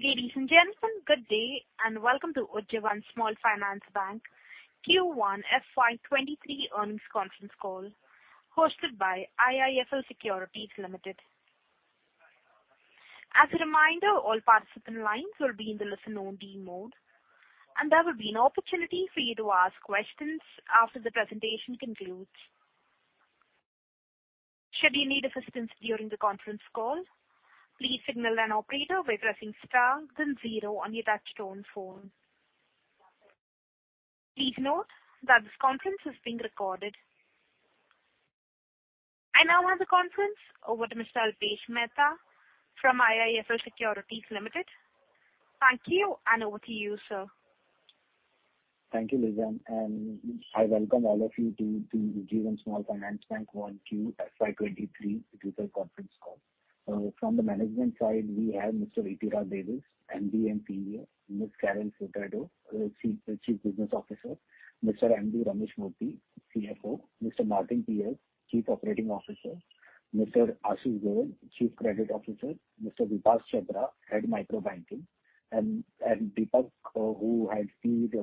Ladies and gentlemen, good day and welcome to Ujjivan Small Finance Bank Q1 FY23 earnings conference call, hosted by IIFL Securities Limited. As a reminder, all participant lines will be in the listen-only mode, and there will be an opportunity for you to ask questions after the presentation concludes. Should you need assistance during the conference call, please signal an operator by pressing star then zero on your touch tone phone. Please note that this conference is being recorded. I now hand the conference over to Mr. Alpesh Mehta from IIFL Securities Limited. Thank you, and over to you, sir. Thank you, Lizanne, and I welcome all of you to Ujjivan Small Finance Bank Q1 FY23 digital conference call. From the management side, we have Mr. Ittira Davis, MD & CEO, Ms. Carol Furtado, Chief Business Officer, Mr. M.D. Ramesh Murthy, CFO, Mr. Martin PS, Chief Operating Officer, Mr. Ashish Goel, Chief Credit Officer, Mr. Vibhas Chandra, Head Micro Banking, and Deepak Khetan, who heads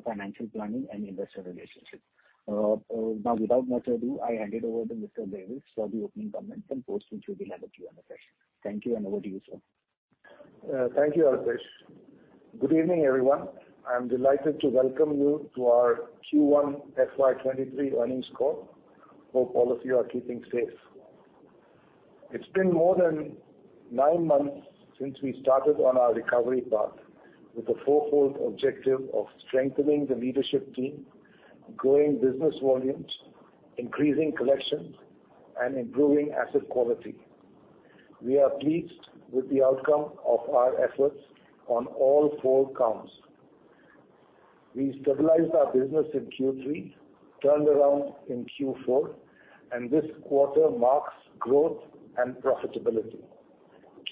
Financial Planning and Investor Relationships. Now, without much ado, I hand it over to Mr. Ittira Davis for the opening comments and after which we'll have a Q&A session. Thank you, and over to you, sir. Thank you, Alpesh. Good evening, everyone. I'm delighted to welcome you to our Q1 FY23 earnings call. Hope all of you are keeping safe. It's been more than nine months since we started on our recovery path with the fourfold objective of strengthening the leadership team, growing business volumes, increasing collections and improving asset quality. We are pleased with the outcome of our efforts on all four counts. We stabilized our business in Q3, turned around in Q4, and this quarter marks growth and profitability.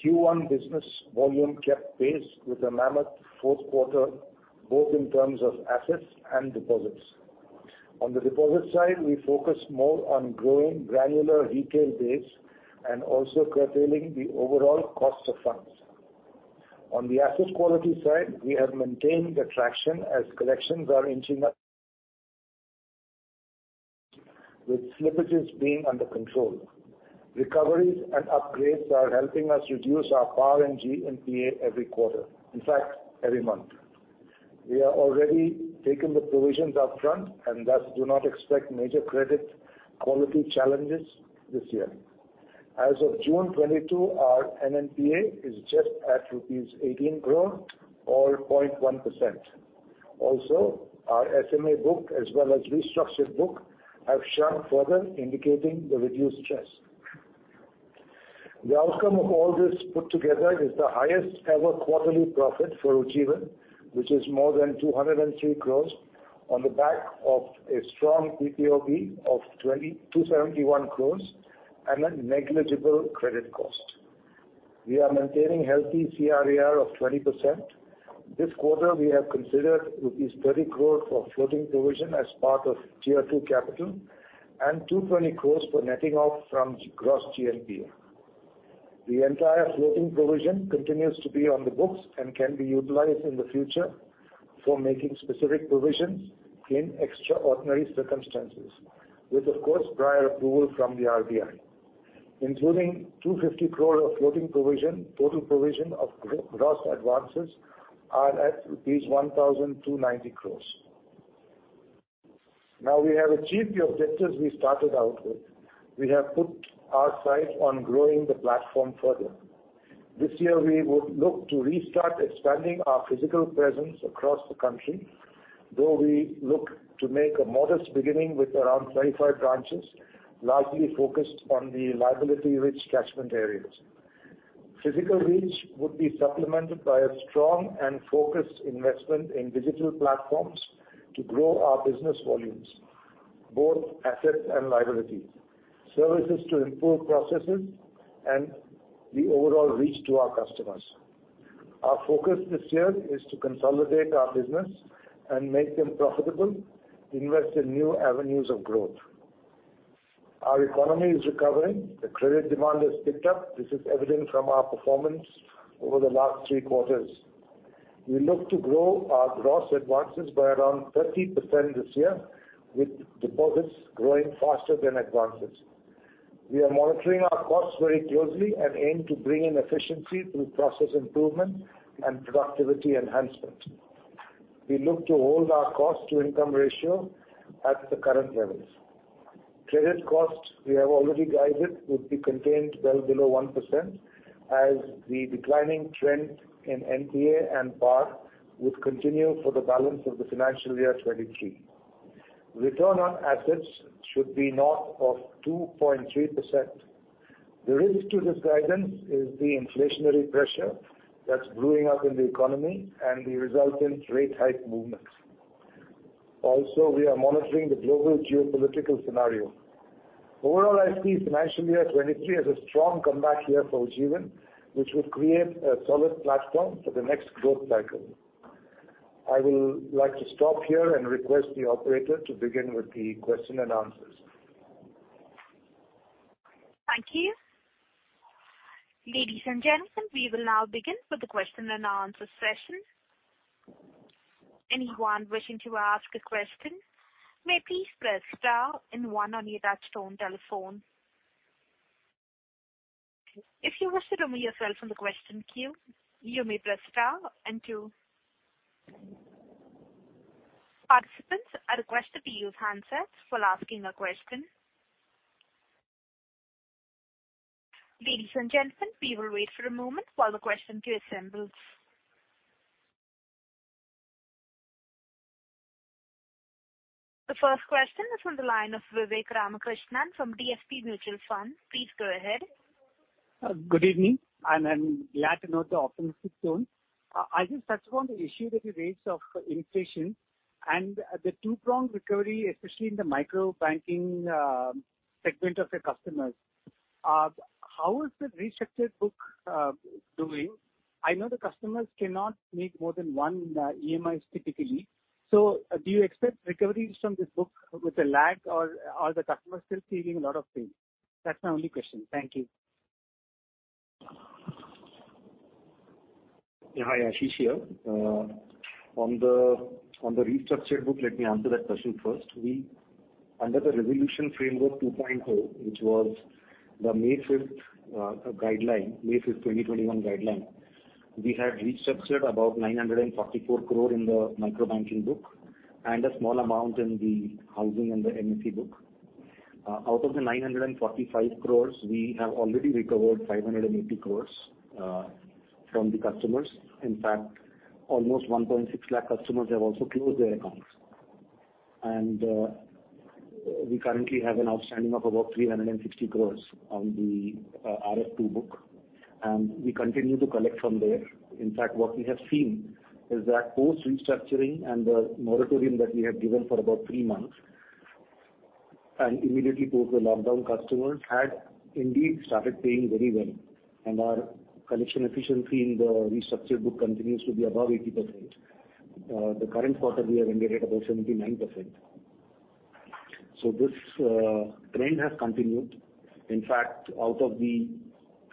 Q1 business volume kept pace with a mammoth fourth quarter, both in terms of assets and deposits. On the deposit side, we focused more on growing granular retail base and also curtailing the overall cost of funds. On the asset quality side, we have maintained the traction as collections are inching up, with slippages being under control. Recoveries and upgrades are helping us reduce our PAR and GNPA every quarter. In fact, every month. We have already taken the provisions up front and thus do not expect major credit quality challenges this year. As of June 2022, our NNPA is just at rupees 18 billion or 0.1%. Also, our SMA book as well as restructured book have shrunk further, indicating the reduced stress. The outcome of all this put together is the highest ever quarterly profit for Ujjivan, which is more than 203 crore on the back of a strong PPOP of 2,271 crore and a negligible credit cost. We are maintaining healthy CRAR of 20%. This quarter we have considered rupees 30 crore for floating provision as part of Tier two capital and 220 crore for netting off from gross GNPA. The entire floating provision continues to be on the books and can be utilized in the future for making specific provisions in extraordinary circumstances with, of course, prior approval from the RBI. Including 250 crores of floating provision, total provision of gross advances are at rupees 1,290 crores. Now we have achieved the objectives we started out with. We have put our sight on growing the platform further. This year, we will look to restart expanding our physical presence across the country, though we look to make a modest beginning with around 25 branches, largely focused on the liability-rich catchment areas. Physical reach would be supplemented by a strong and focused investment in digital platforms to grow our business volumes, both assets and liabilities, services to improve processes and the overall reach to our customers. Our focus this year is to consolidate our business and make them profitable, invest in new avenues of growth. Our economy is recovering. The credit demand has picked up. This is evident from our performance over the last three quarters. We look to grow our gross advances by around 30% this year, with deposits growing faster than advances. We are monitoring our costs very closely and aim to bring in efficiency through process improvement and productivity enhancement. We look to hold our cost to income ratio at the current levels. Credit costs, we have already guided, would be contained well below 1% as the declining trend in NPA and PAR would continue for the balance of the financial year 2023. Return on assets should be north of 2.3%. The risk to this guidance is the inflationary pressure that's brewing up in the economy and the resultant rate hike movements. Also, we are monitoring the global geopolitical scenario. Overall, I see financial year 2023 as a strong comeback year for Ujjivan, which will create a solid platform for the next growth cycle. I will like to stop here and request the operator to begin with the question and answers. Thank you. Ladies and gentlemen, we will now begin with the question and answer session. Anyone wishing to ask a question may please press star and one on your touchtone telephone. If you wish to remove yourself from the question queue, you may press star and two. Participants are requested to use handsets while asking a question. Ladies and gentlemen, we will wait for a moment while the question queue assembles. The first question is from the line of Vivek Ramakrishnan from DSP Mutual Fund. Please go ahead. Good evening, and I'm glad to note the optimistic tone. I just touched upon the issue that you raised of inflation and the two-prong recovery, especially in the micro banking segment of the customers. How is the restructured book doing? I know the customers cannot make more than one EMIs typically. Do you expect recoveries from this book with a lag or the customer still feeling a lot of pain? That's my only question. Thank you. Hi. Ashish here. On the restructured book, let me answer that question first. Under the Resolution Framework 2.0, which was the May 5, 2021 guideline, we had restructured about 944 crore in the micro banking book and a small amount in the housing and the NFE book. Out of the 945 crore, we have already recovered 580 crore from the customers. In fact, almost 1.6 lakh customers have also closed their accounts. We currently have an outstanding of about 360 crore on the RF 2.0 book, and we continue to collect from there. In fact, what we have seen is that post-restructuring and the moratorium that we had given for about 3 months, and immediately post the lockdown, customers had indeed started paying very well. Our collection efficiency in the restructured book continues to be above 80%. The current quarter we have ended at about 79%. This trend has continued. In fact, out of the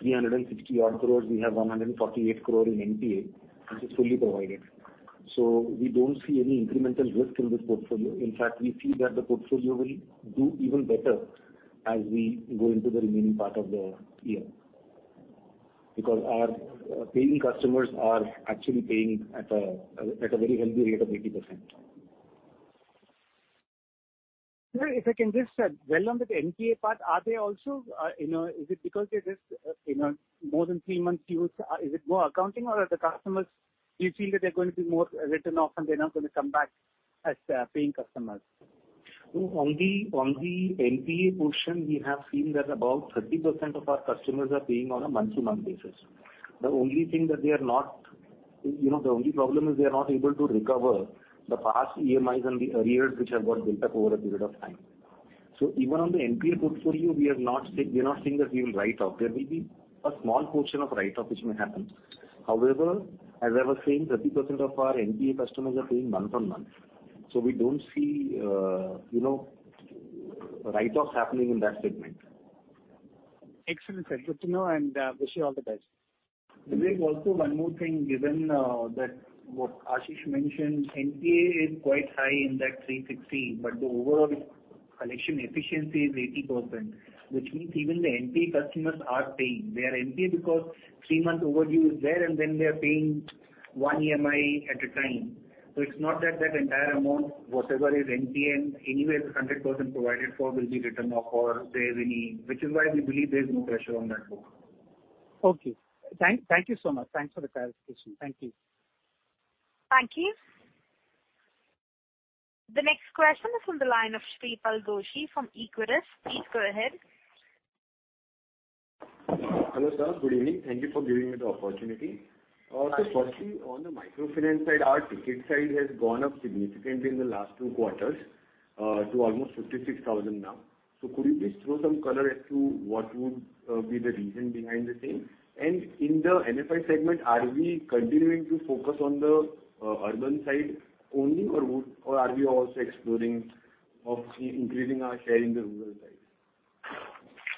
360-odd crore, we have 148 crore in NPA, which is fully provided. We don't see any incremental risk in this portfolio. In fact, we feel that the portfolio will do even better as we go into the remaining part of the year because our paying customers are actually paying at a very healthy rate of 80%. Sir, if I can just, on the NPA part, are they also, you know? Is it because there is, you know, more than three months dues? Is it more accounting or are the customers, do you feel that they're going to be more written off and they're not gonna come back as paying customers? On the NPA portion, we have seen that about 30% of our customers are paying on a month-to-month basis. The only thing that they are not, you know, the only problem is they are not able to recover the past EMIs and the arrears which have got built up over a period of time. Even on the NPA portfolio, we are not saying that we will write off. There may be a small portion of write-off which may happen. However, as I was saying, 30% of our NPA customers are paying month on month, so we don't see, you know, write-offs happening in that segment. Excellent, sir. Good to know and, wish you all the best. Vivek, also one more thing, given that what Ashish mentioned, NPA is quite high in that 360, but the overall collection efficiency is 80%, which means even the NPA customers are paying. They are NPA because 3-month overdue is there, and then they are paying one EMI at a time. It's not that entire amount, whatever is NPA and anyway is 100% provided for, will be written off or there's any pressure. Which is why we believe there's no pressure on that book. Okay. Thank you so much. Thanks for the clarification. Thank you. Thank you. The next question is from the line of Shreepal Doshi from Equirus. Please go ahead. Hello, sir. Good evening. Thank you for giving me the opportunity. Yes. Firstly, on the microfinance side, our ticket size has gone up significantly in the last two quarters to almost 56,000 now. Could you please throw some color as to what would be the reason behind the same? And in the MFI segment, are we continuing to focus on the urban side only or are we also exploring of increasing our share in the rural side?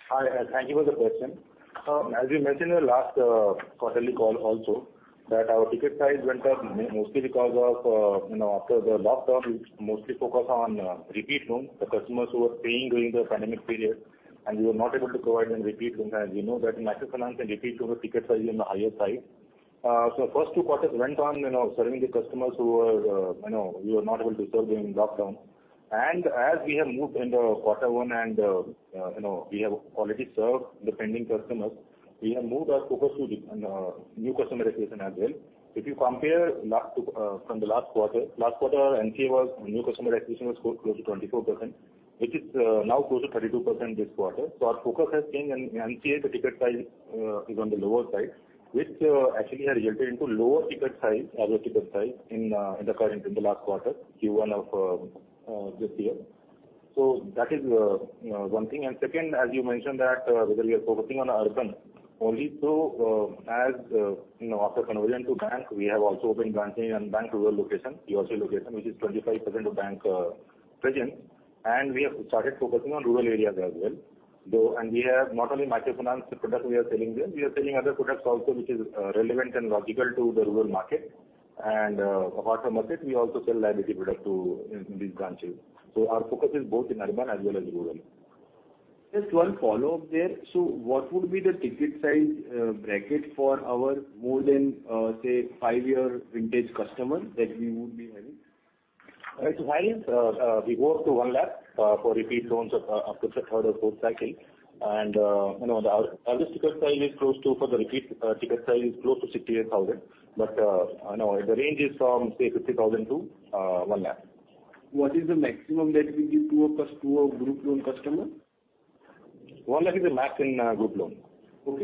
Hi. Thank you for the question. As we mentioned in the last quarterly call also, that our ticket size went up mostly because of, you know, after the lockdown, we mostly focused on repeat loans, the customers who were paying during the pandemic period, and we were not able to provide them repeat loans. As you know that in microfinance and repeat loans, the ticket size is on the higher side. So first two quarters went on, you know, serving the customers who were, you know, we were not able to serve during lockdown. As we have moved in the quarter one and, you know, we have already served the pending customers, we have moved our focus to the new customer acquisition as well. If you compare from the last quarter, last quarter NCA was new customer acquisition close to 24%, which is now close to 32% this quarter. Our focus has been, and NCA, the ticket size is on the lower side, which actually has resulted into lower ticket size, average ticket size in the current, in the last quarter, Q1 of this year. That is one thing. Second, as you mentioned that whether we are focusing on urban only. As you know, after conversion to bank, we have also been branching in bank rural location, URC location, which is 25% of bank presence. We have started focusing on rural areas as well, though. We have not only microfinance products we are selling there, we are selling other products also which is relevant and logical to the rural market. Apart from that, we also sell liability products too in these branches. Our focus is both in urban as well as rural. Just one follow-up there. What would be the ticket size bracket for our more than, say, five-year vintage customer that we would be having? Right. Hi as, we go up to one lakh for repeat loans after the third or fourth cycle. You know, the average ticket size for the repeat is close to 68 thousand. You know, the range is from, say, 50 thousand to one lakh. What is the maximum that we give to a group loan customer? one lakh is the max in group loan. Got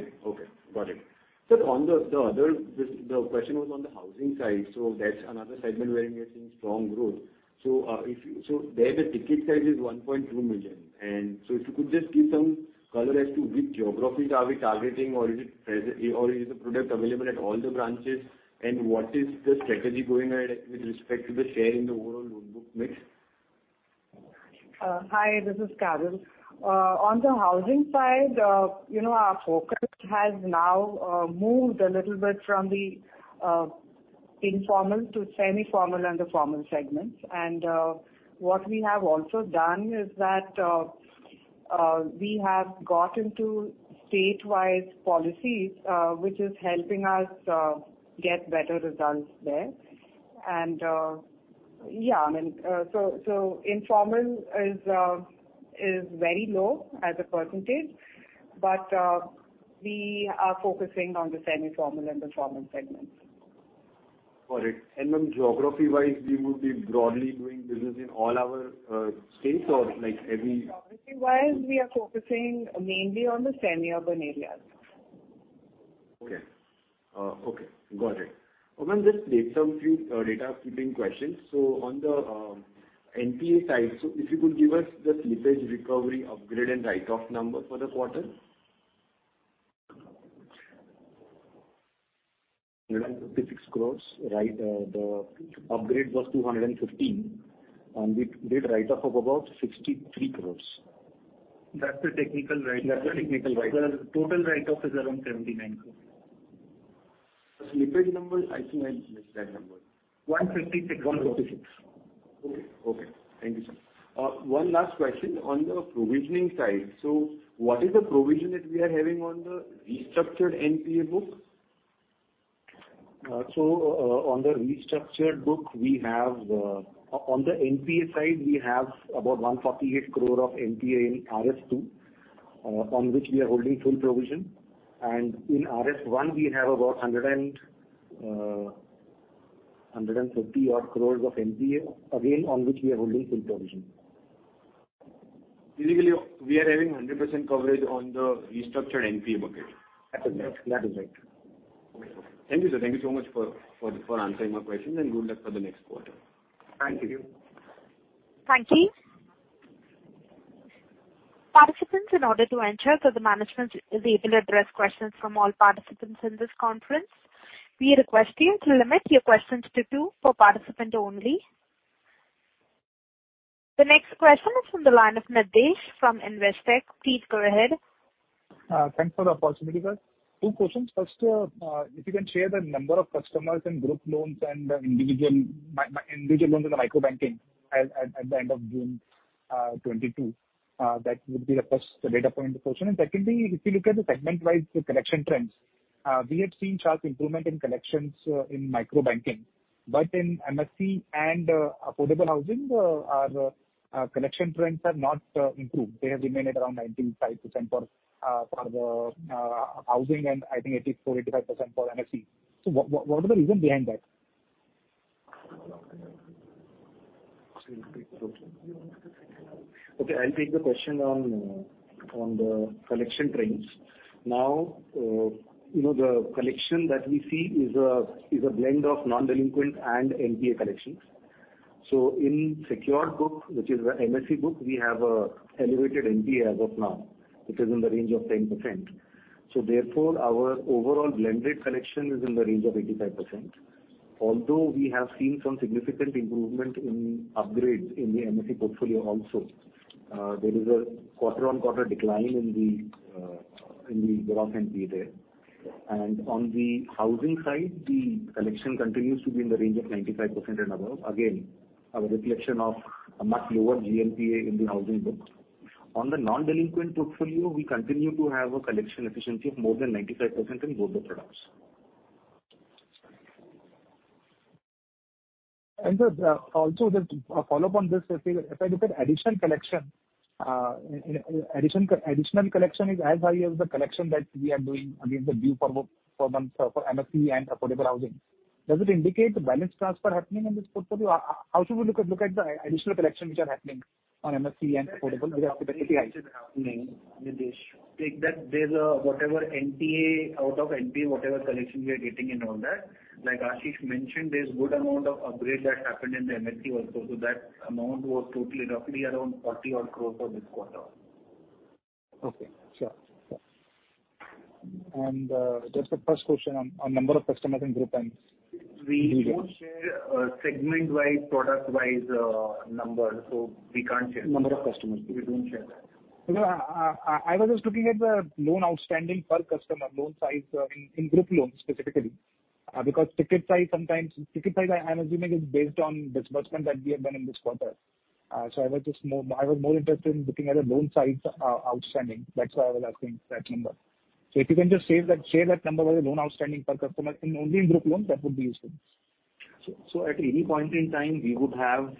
it. The question was on the housing side, so that's another segment where we are seeing strong growth. There the ticket size is 1.2 million. If you could just give some color as to which geographies are we targeting or is it present, or is the product available at all the branches and what is the strategy going ahead with respect to the share in the overall loan book mix? Hi, this is Carol Furtado. On the housing side, you know, our focus has now moved a little bit from the informal to semi-formal and the formal segments. Yeah, I mean, so informal is very low as a percentage, but we are focusing on the semi-formal and the formal segments. Got it. Geography-wise, we would be broadly doing business in all our states or like every- Geography-wise, we are focusing mainly on the semi-urban areas. Okay. Got it. Ma'am, just a few questions. On the NPA side, if you could give us the slippage, recovery, upgrade, and write-off number for the quarter. Around 56 crores, right. The upgrade was 215, and we did write-off of about 63 crores. That's the technical write-off. That's the technical write-off. The total write-off is around 79 crores. Slippage number, I think I missed that number. 156 crores. 156. Okay. Thank you, sir. One last question on the provisioning side. What is the provision that we are having on the restructured NPA book? On the restructured book we have, on the NPA side, we have about 148 crore of NPA in RF 2.0, on which we are holding full provision. In RF 1.0 we have about 150-odd crores of NPA, again, on which we are holding full provision. Basically, we are having 100% coverage on the restructured NPA bucket. That is right. Okay. Thank you, sir. Thank you so much for answering my questions and good luck for the next quarter. Thank you. Thank you. Participants, in order to ensure that the management is able to address questions from all participants in this conference, we request you to limit your questions to two per participant only. The next question is from the line of Nidhesh from Investec. Please go ahead. Thanks for the opportunity, sir. Two questions. First, if you can share the number of customers and group loans and individual loans in the micro banking at the end of June 2022, that would be the first data point question. Secondly, if you look at the segment-wise collection trends, we had seen sharp improvement in collections in micro banking. In MSME and affordable housing, our collection trends have not improved. They have remained at around 95% for the housing, and I think 84%-85% for MSME. What are the reasons behind that? Who wants to take the question? You want to take the question? Okay, I'll take the question on the collection trends. Now, you know, the collection that we see is a blend of non-delinquent and NPA collections. In secured book, which is the MSME book, we have an elevated NPA as of now, which is in the range of 10%. Therefore, our overall blended collection is in the range of 85%. Although we have seen some significant improvement in upgrades in the MSME portfolio also, there is a quarter-over-quarter decline in the gross NPA there. On the housing side, the collection continues to be in the range of 95% and above. Again, a reflection of a much lower GNPA in the housing book. On the non-delinquent portfolio, we continue to have a collection efficiency of more than 95% in both the products. also just a follow up on this. If I look at additional collection, additional collection is as high as the collection that we are doing against the due for MSME and affordable housing. Does it indicate the balance transfer happening in this portfolio? How should we look at the additional collections which are happening on MSME and affordable- Nidhesh, take that. There's a whatever NPA, out of NPA, whatever collection we are getting in all that. Like Ashish mentioned, there's good amount of upgrade that happened in the MSME also. That amount was totally roughly around 40-odd crores for this quarter. Okay. Sure. Just a first question on number of customers in group loans. We don't share, segment-wise, product-wise, numbers, so we can't share that. Number of customers. We don't share that. Because I was just looking at the loan outstanding per customer, loan size, in group loans specifically. Because ticket size sometimes. Ticket size I'm assuming is based on disbursement that we have done in this quarter. I was more interested in looking at the loan size outstanding. That's why I was asking that number. If you can just share that number as a loan outstanding per customer and only in group loans, that would be useful. At any point in time we would have,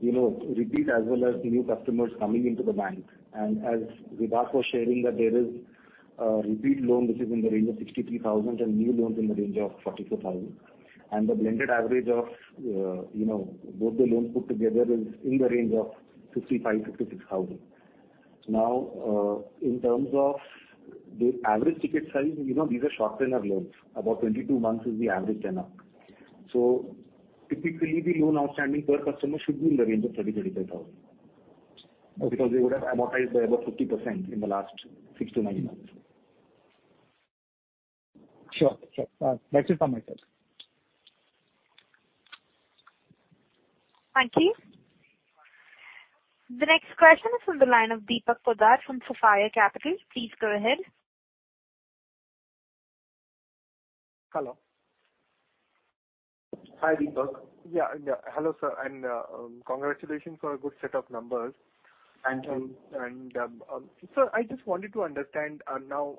you know, repeat as well as new customers coming into the bank. As Vibhas was sharing that there is repeat loan which is in the range of 63,000 and new loans in the range of 44,000. The blended average of, you know, both the loans put together is in the range of 65,000-66,000. Now, in terms of the average ticket size, you know, these are short tenured loans. About 22 months is the average tenure. Typically the loan outstanding per customer should be in the range of 30,000-35,000. Okay. Because they would have amortized about 50% in the last 6-9 months. Sure. That's it from my side. Thank you. The next question is from the line of Deepak Poddar from Sapphire Capital. Please go ahead. Hello. Hi, Deepak. Yeah, yeah. Hello, sir, and congratulations for a good set of numbers. Thank you. I just wanted to understand, now,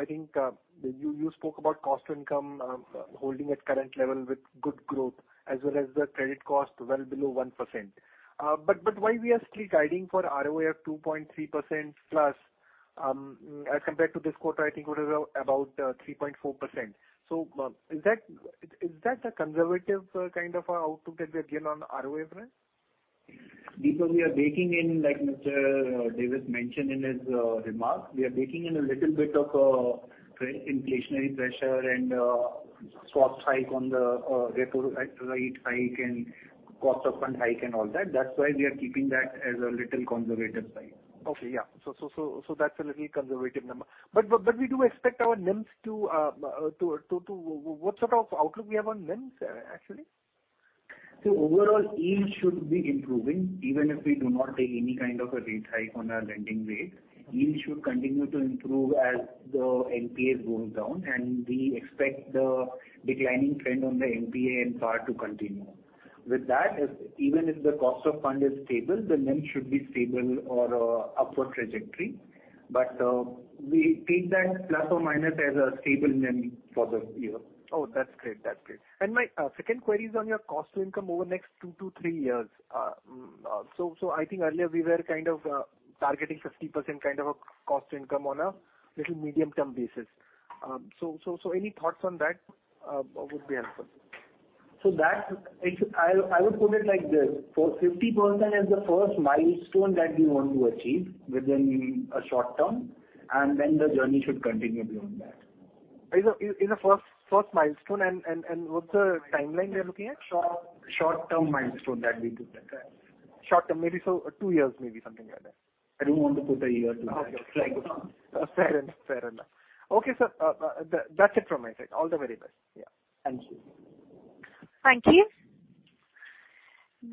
I think you spoke about cost to income holding at current level with good growth as well as the credit cost well below 1%. But why we are still guiding for ROA of 2.3% plus, as compared to this quarter I think it was about 3.4%. Is that a conservative kind of outlook that we have given on ROA front? Because we are baking in, like Mr. Davis mentioned in his remarks, we are baking in a little bit of credit inflationary pressure and swap hike on the repo rate hike and cost of fund hike and all that. That's why we are keeping that as a little conservative side. That's a little conservative number. We do expect our NIMs to. What sort of outlook we have on NIMs, actually? Overall yield should be improving even if we do not take any kind of a rate hike on our lending rate. Yield should continue to improve as the NPAs goes down, and we expect the declining trend on the NPA and PAR to continue. With that, even if the cost of fund is stable, the NIM should be stable or upward trajectory. We take that plus or minus as a stable NIM for the year. Oh, that's great. That's great. My second query is on your cost to income over the next 2-3 years. So I think earlier we were kind of targeting 50% kind of a cost to income in the medium term basis. So any thoughts on that would be helpful. I would put it like this. 50% is the first milestone that we want to achieve within a short term, and then the journey should continue beyond that. It's a first milestone and what's the timeline we are looking at? Short-term milestone that we put there. Short-term, maybe so 2 years, maybe something like that. I don't want to put a year to that. Okay. Fair enough. Okay, sir. That's it from my side. All the very best. Yeah. Thank you. Thank you.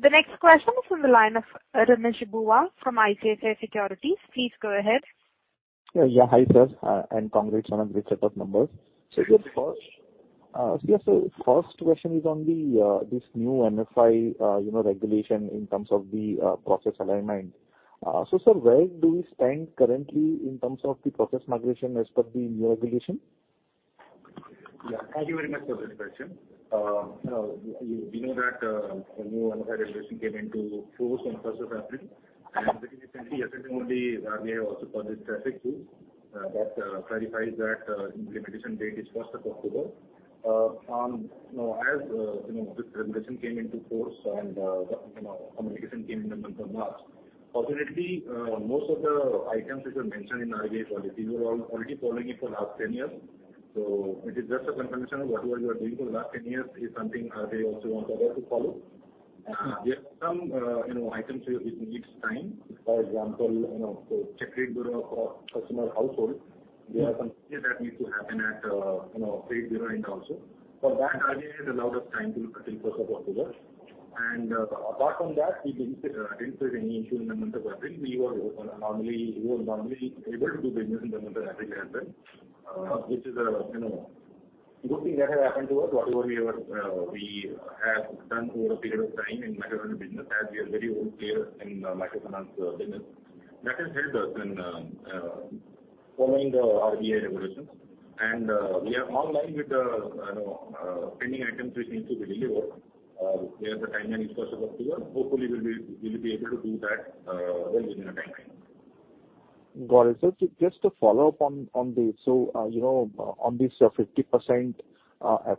The next question is from the line of Renish Bhuva from ICICI Securities. Please go ahead. Yeah. Yeah. Hi, sir, and congrats on a good set of numbers. Thank you. First question is on this new MFI, you know, regulation in terms of the process alignment. Sir, where do we stand currently in terms of the process migration as per the new regulation? Yeah. Thank you very much for this question. You know that the new MFI regulation came into force on first of April. Very recently, yesterday only, RBI also published a circular that clarifies that implementation date is first of October. Now as you know, this regulation came into force and you know, communication came in the month of March. Fortunately, most of the items which were mentioned in RBI policy, we were already following it for last 10 years. It is just a confirmation of whatever we were doing for the last 10 years is something they also want others to follow. There are some you know, items which needs time. For example, you know, the credit bureau for customer household. Yeah. There are some things that needs to happen at, you know, trade bureau end also. For that, RBI has allowed us time till first of October. Apart from that, we didn't face any issue in the month of April. We were open normally. We were normally able to do business in the month of April as well. Which is a you know good thing that has happened to us. Whatever we have done over a period of time in microfinance business, as we are very old player in microfinance business, that has helped us in following the RBI regulations. We are in line with, you know, pending items which needs to be delivered. We have the time until first of October. Hopefully we'll be able to do that well within the timeline. Got it. Just to follow up on this. You know, on this 50%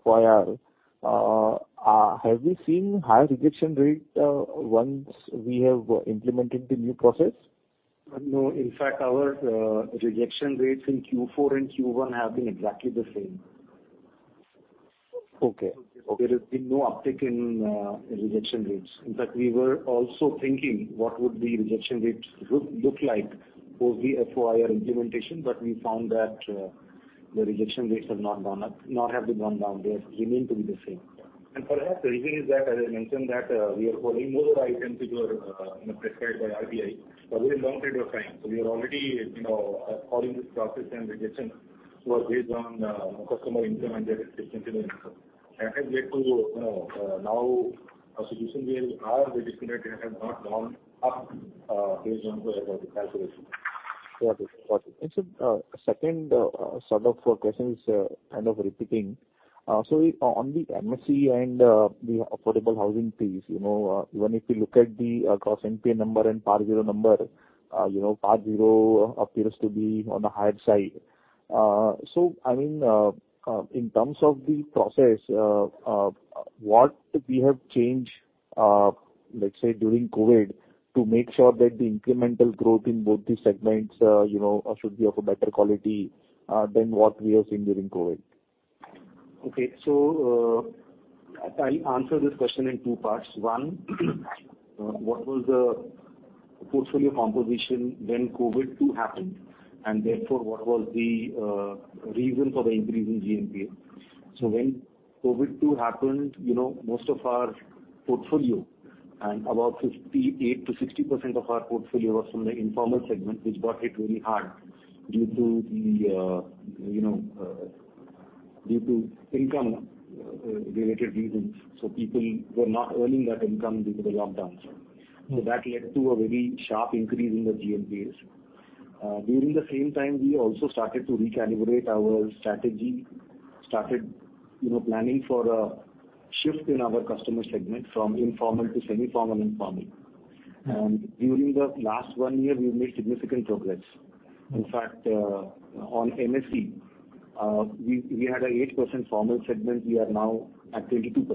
FOIR, have we seen higher rejection rate once we have implemented the new process? No. In fact, our rejection rates in Q4 and Q1 have been exactly the same. Okay. There has been no uptick in rejection rates. In fact, we were also thinking what would the rejection rates look like post the FOIR implementation, but we found that the rejection rates have not gone up, not have they gone down, they have remained to be the same. Perhaps the reason is that, as I mentioned, that we are holding more items which were you know prescribed by RBI for a very long period of time. We are already you know following this process and rejection was based on customer income and debt-to-income ratio. As yet to you know now as you can see our rejection rate has not gone up based on whatever the calculation. Got it. Second, sort of question is kind of repeating. On the MSME and the affordable housing piece, you know, even if you look at the gross NPA number and Par Zero number, you know, Par Zero appears to be on the higher side. I mean, in terms of the process, what we have changed, let's say during COVID to make sure that the incremental growth in both the segments, you know, should be of a better quality than what we have seen during COVID? Okay. I'll answer this question in two parts. One, what was the portfolio composition when COVID-2 happened, and therefore, what was the reason for the increase in GNPA? When COVID-2 happened, you know, most of our portfolio and about 58%-60% of our portfolio was from the informal segment, which got hit really hard due to the, you know, due to income related reasons. People were not earning that income due to the lockdowns. That led to a very sharp increase in the GNPA. During the same time, we also started to recalibrate our strategy, you know, planning for a shift in our customer segment from informal to semi-formal and formal. During the last one year, we've made significant progress. In fact, on MSME, we had an 8% formal segment, we are now at 22%.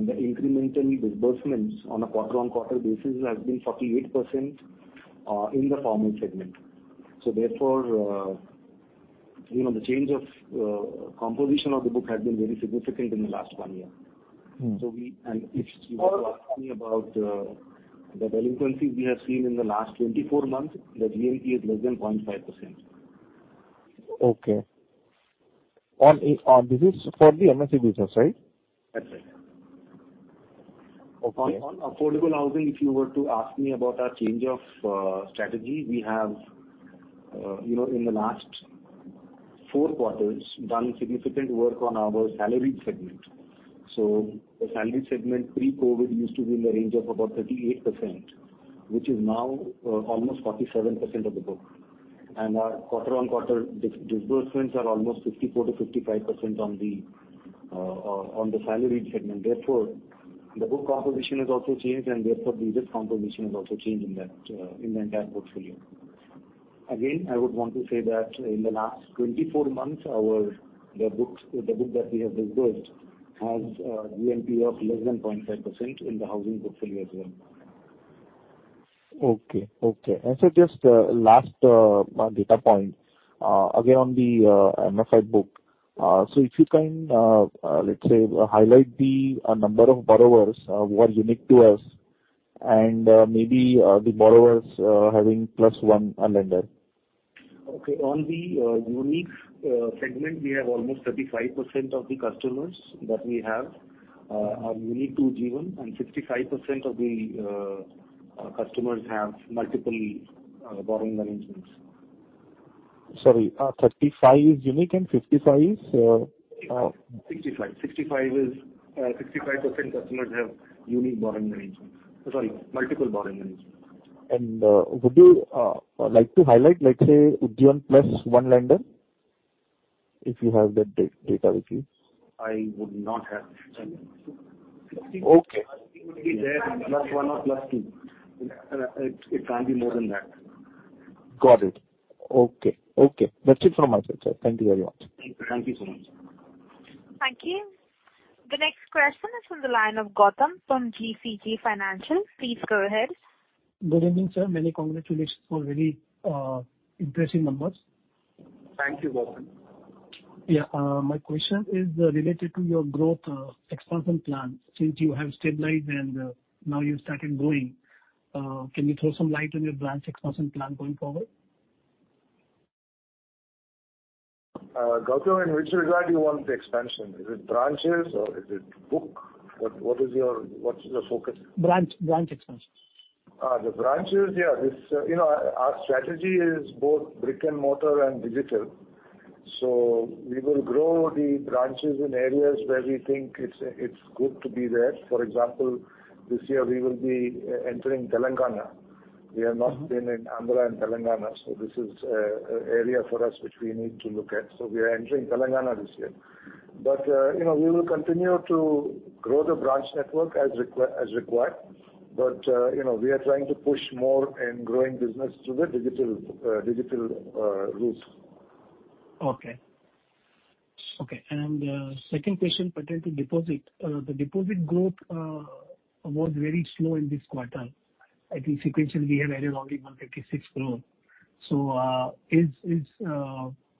The incremental disbursements on a quarter-on-quarter basis has been 48% in the formal segment. Therefore, you know, the change of composition of the book has been very significant in the last one year. Mm. If you were to ask me about the delinquencies we have seen in the last 24 months, the GNPA is less than 0.5%. Okay. On this is for the MSME business, right? That's right. Okay. On affordable housing, if you were to ask me about our change of strategy, we have in the last four quarters done significant work on our salaried segment. The salaried segment pre-COVID used to be in the range of about 38%, which is now almost 47% of the book. Our quarter-on-quarter disbursements are almost 54%-55% on the salaried segment. Therefore, the book composition has also changed, and therefore, the risk composition has also changed in the entire portfolio. Again, I would want to say that in the last 24 months, the book that we have disbursed has a GNPA of less than 0.5% in the housing portfolio as well. Okay. Just last data point again on the MFI book. If you can, let's say, highlight the number of borrowers who are unique to us and maybe the borrowers having plus one lender. Okay. On the unique segment, we have almost 35% of the customers that we have are unique to Ujjivan, and 65% of the customers have multiple borrowing arrangements. Sorry, 35 is unique and 55 is. 65 is 65% customers have unique borrowing arrangements. Sorry, multiple borrowing arrangements. Would you like to highlight, let's say, Ujjivan plus one lender, if you have that data with you? I would not have that. Okay. It would be there plus 1 or plus two. It can't be more than that. Got it. Okay. That's it from my side, sir. Thank you very much. Thank you so much. Thank you. The next question is from the line of Gautam from GCJ Financial. Please go ahead. Good evening, sir. Many congratulations for very impressive numbers. Thank you, Gautam. Yeah, my question is related to your growth, expansion plan. Since you have stabilized and now you started growing, can you throw some light on your branch expansion plan going forward? Gautam, in which regard you want the expansion? Is it branches or is it book? What is your, what's the focus? Branch expansion. The branches, yeah. This, you know, our strategy is both brick and mortar and digital. We will grow the branches in areas where we think it's good to be there. For example, this year we will be entering Telangana. We have not been in Andhra and Telangana, so this is area for us which we need to look at. We are entering Telangana this year. We will continue to grow the branch network as required. We are trying to push more in growing business through the digital routes. Second question pertain to deposit. The deposit growth was very slow in this quarter. I think sequentially we have added only 156 crore. Is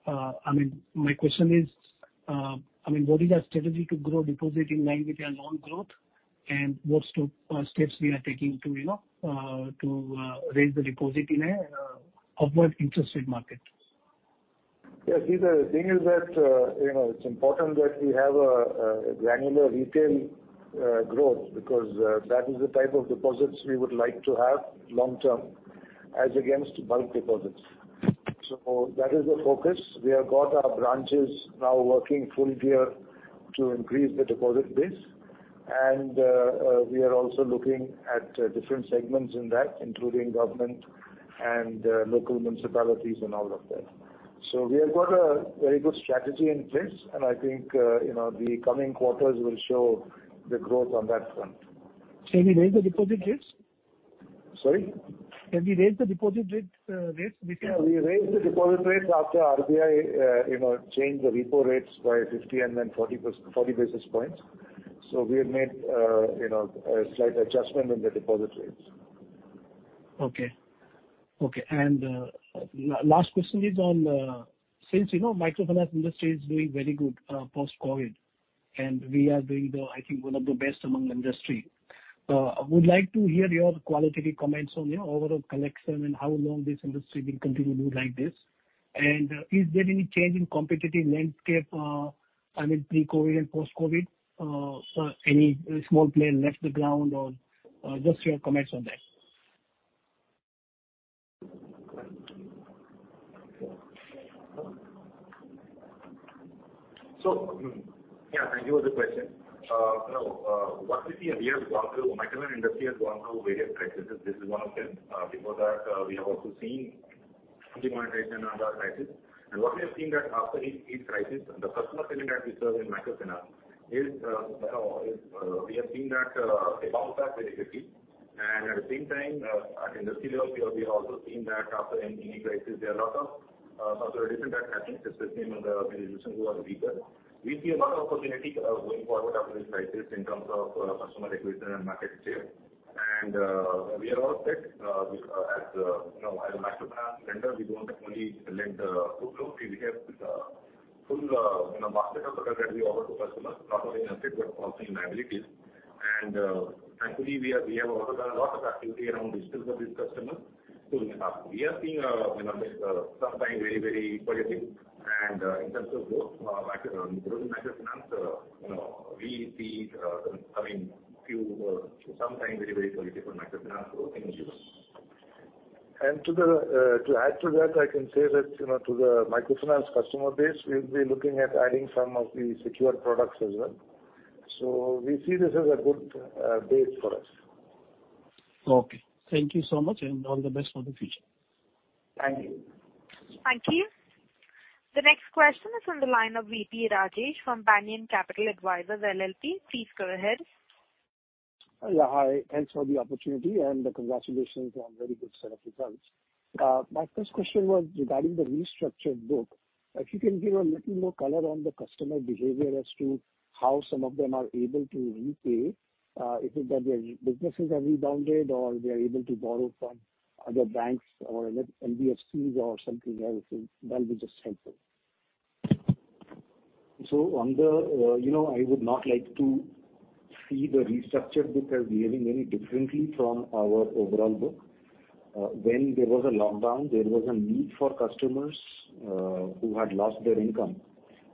I mean, my question is, I mean, what is our strategy to grow deposit in line with your loan growth and what steps we are taking to you know to raise the deposit in an upward interest rate market? Yes, see the thing is that, you know, it's important that we have a granular retail growth because that is the type of deposits we would like to have long term as against bulk deposits. That is the focus. We have got our branches now working full gear to increase the deposit base. We are also looking at different segments in that, including government and local municipalities and all of that. We have got a very good strategy in place, and I think, you know, the coming quarters will show the growth on that front. Can we raise the deposit rates? Sorry? Can we raise the deposit rates between- Yeah, we raised the deposit rates after RBI, you know, changed the repo rates by 50 and then 40 basis points. We have made, you know, a slight adjustment in the deposit rates. Last question is on, since, you know, microfinance industry is doing very good post-COVID, and we are doing, I think, one of the best among industry. I would like to hear your qualitative comments on, you know, overall collection and how long this industry will continue to do like this. Is there any change in competitive landscape, I mean, pre-COVID and post-COVID? Any small player left the ground or just your comments on that. Thank you for the question. You know, what we see, microfinance industry has gone through various crises. This is one of them. Before that, we have also seen demonetization and other crises. What we have seen is that after each crisis, the customer segment that we serve in microfinance bounces back very quickly. At the same time, at industry level, we have also seen that after any crisis, there are a lot of structural additions that happen, especially among the population who are weaker. We see a lot of opportunity going forward after this crisis in terms of customer acquisition and market share. We are all set with you know as a microfinance lender we don't only lend to book. We have full you know basket of products that we offer to customers not only in asset but also in liabilities. Thankfully we have also done a lot of activity around digital for these customers in the past. We are seeing you know this something very very positive and in terms of growth growth in microfinance you know we see I mean something very very positive for microfinance growth in India. To add to that, I can say that, you know, to the microfinance customer base, we'll be looking at adding some of the secured products as well. We see this as a good base for us. Okay. Thank you so much, and all the best for the future. Thank you. Thank you. The next question is on the line of V.P. Rajesh from Banyan Capital Advisors LLP. Please go ahead. Yeah, hi. Thanks for the opportunity, and congratulations on very good set of results. My first question was regarding the restructured book. If you can give a little more color on the customer behavior as to how some of them are able to repay, is it that their businesses have rebounded or they are able to borrow from other banks or NBFCs or something else? That'll be just helpful. On the, you know, I would not like to see the restructured book as behaving any differently from our overall book. When there was a lockdown, there was a need for customers who had lost their income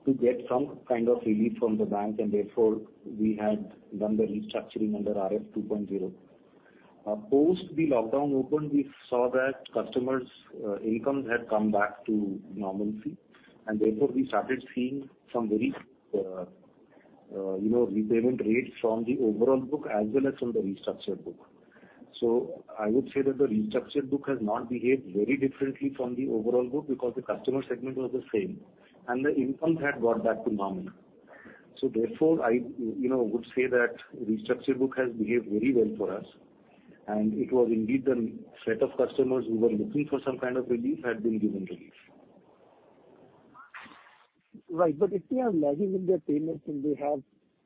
to get some kind of relief from the bank, and therefore, we had done the restructuring under RF 2.0. Post the lockdown opened, we saw that customers' incomes had come back to normalcy. Therefore, we started seeing some very, you know, repayment rates from the overall book as well as from the restructured book. I would say that the restructured book has not behaved very differently from the overall book because the customer segment was the same, and the incomes had got back to normal. I, you know, would say that restructured book has behaved very well for us, and it was indeed the set of customers who were looking for some kind of relief had been given relief. Right. If they are lagging in their payments and they have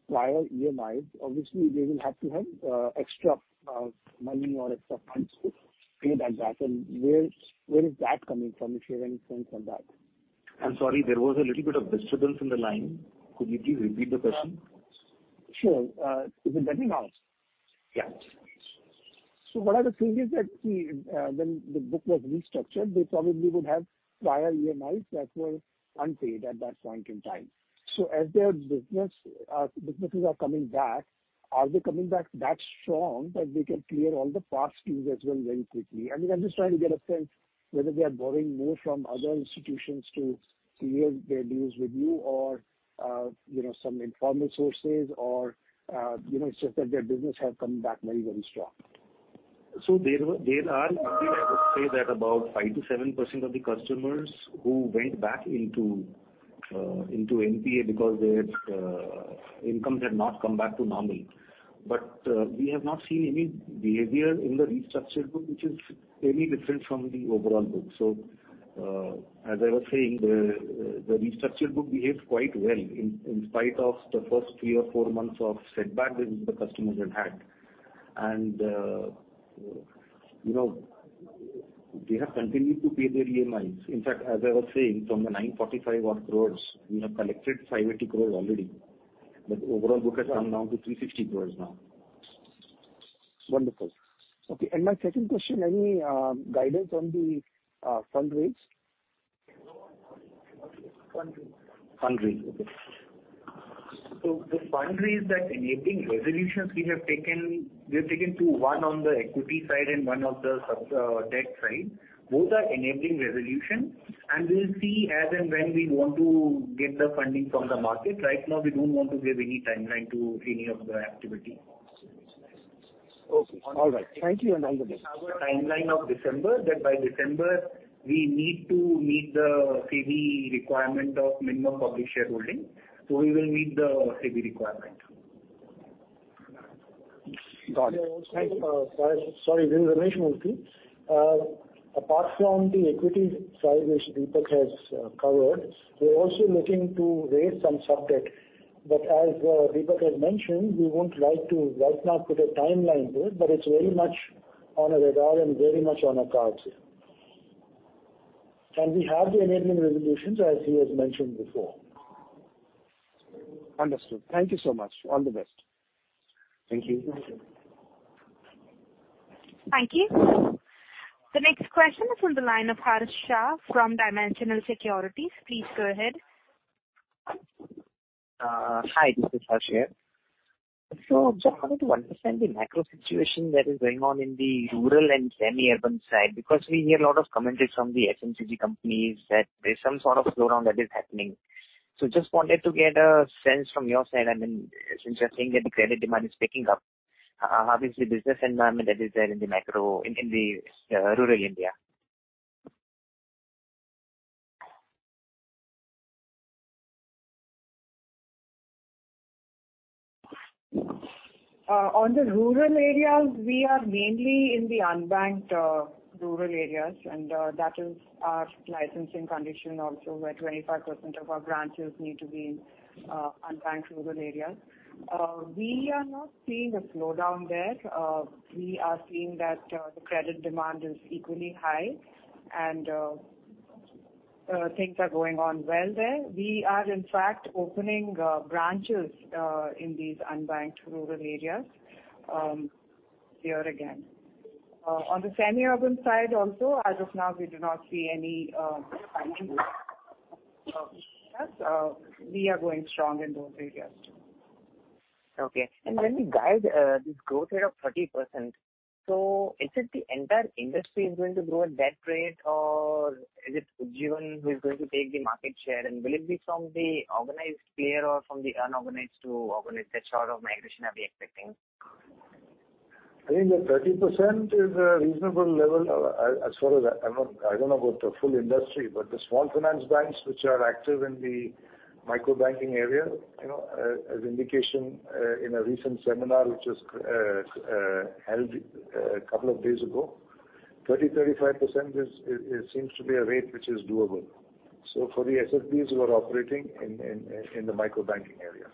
prior EMIs, obviously they will have to have extra money or extra funds to pay that back. Where is that coming from, if you have any sense on that? I'm sorry, there was a little bit of disturbance in the line. Could you please repeat the question? Sure. Can you hear me now? Yes. One of the thing is that we, when the book was restructured, they probably would have prior EMIs that were unpaid at that point in time. As their businesses are coming back, are they coming back that strong that they can clear all the past dues as well very quickly? I mean, I'm just trying to get a sense whether they are borrowing more from other institutions to clear their dues with you or, you know, some informal sources or, you know, it's just that their business have come back very, very strong. There are I would say that about 5%-7% of the customers who went back into NPA because their incomes had not come back to normal. We have not seen any behavior in the restructured book which is any different from the overall book. As I was saying, the restructured book behaved quite well in spite of the first three or four months of setback which the customers had had. You know, they have continued to pay their EMIs. In fact, as I was saying, from the 945 odd crores, we have collected 580 crores already. The overall book has come down to 360 crores now. Wonderful. Okay. My second question, any guidance on the fundraise? Fundraise. Fundraise. Okay. The fundraise enabling resolutions we have taken, we have taken two, one on the equity side and one of the sub-debt side. Both are enabling resolution, and we'll see as and when we want to get the funding from the market. Right now, we don't want to give any timeline to any of the activity. Okay. All right. Thank you, and all the best. We have a timeline of December, that by December we need to meet the SEBI requirement of minimum public shareholding. We will meet the SEBI requirement. Got it. Thank you. Sorry, this is Ramesh Murthy. Apart from the equity side, which Deepak has covered, we're also looking to raise some sub-debt. As Deepak had mentioned, we won't like to right now put a timeline to it, but it's very much on our radar and very much on our cards here. We have the enabling resolutions, as he has mentioned before. Understood. Thank you so much. All the best. Thank you. Thank you. Thank you. The next question is from the line of Harsh Shah from Dimensional Securities. Please go ahead. Hi, this is Harsh here. Just wanted to understand the macro situation that is going on in the rural and semi-urban side, because we hear a lot of comments from the FMCG companies that there's some sort of slowdown that is happening. Just wanted to get a sense from your side. I mean, since you're saying that the credit demand is picking up, how is the business environment that is there in the macro in the rural India? On the rural areas, we are mainly in the unbanked rural areas, and that is our licensing condition also, where 25% of our branches need to be in unbanked rural areas. We are not seeing a slowdown there. We are seeing that the credit demand is equally high and things are going on well there. We are in fact opening branches in these unbanked rural areas here again. On the semi-urban side also, as of now, we do not see any. We are going strong in those areas too. When you guide this growth rate of 30%, is it the entire industry is going to grow at that rate, or is it Ujjivan who is going to take the market share? Will it be from the organized player or from the unorganized to organized? That sort of migration are we expecting? I think the 30% is a reasonable level. I don't know about the full industry, but the Small Finance Banks which are active in the microbanking area, you know, as indication, in a recent seminar which was held a couple of days ago, 35% seems to be a rate which is doable for the SFBs who are operating in the microbanking area.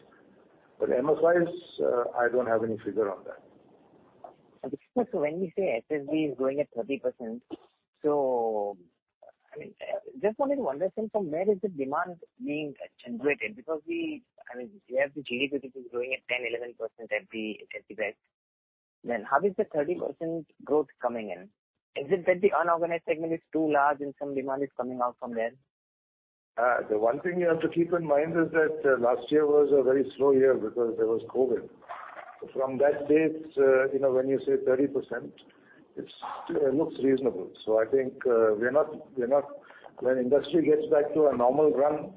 MFIs, I don't have any figure on that. When you say SFB is growing at 30%, I mean, just wanted to understand from where is the demand being generated? Because we, I mean, we have the GDP, which is growing at 10-11% at the best. How is the 30% growth coming in? Is it that the unorganized segment is too large and some demand is coming out from there? The one thing you have to keep in mind is that last year was a very slow year because there was COVID. From that base, you know, when you say 30%, it looks reasonable. I think when industry gets back to a normal run,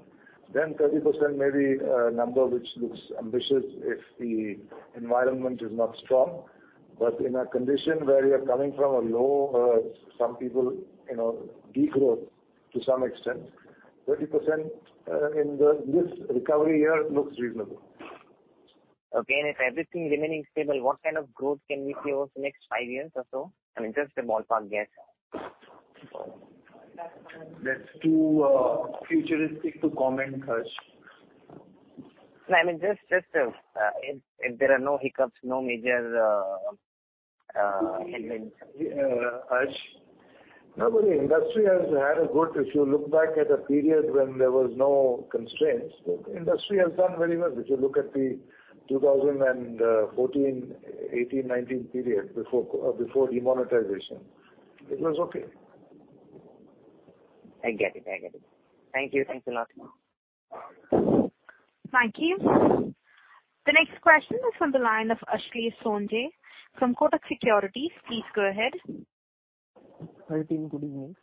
then 30% may be a number which looks ambitious if the environment is not strong. In a condition where you are coming from a low, some people, you know, degrowth to some extent, 30% in this recovery year looks reasonable. Okay. If everything remaining stable, what kind of growth can we see over the next five years or so? I mean, just a ballpark guess. That's too futuristic to comment, Harsh. No, I mean, just if there are no hiccups, no major headwinds. Harsh, no, but the industry has had a good. If you look back at a period when there was no constraints, the industry has done very well. If you look at the 2014-18-19 period before demonetization, it was okay. I get it. Thank you. Thanks a lot. Thank you. The next question is from the line of Ashlesh Sonje from Kotak Securities. Please go ahead. Hi, team. Good evening.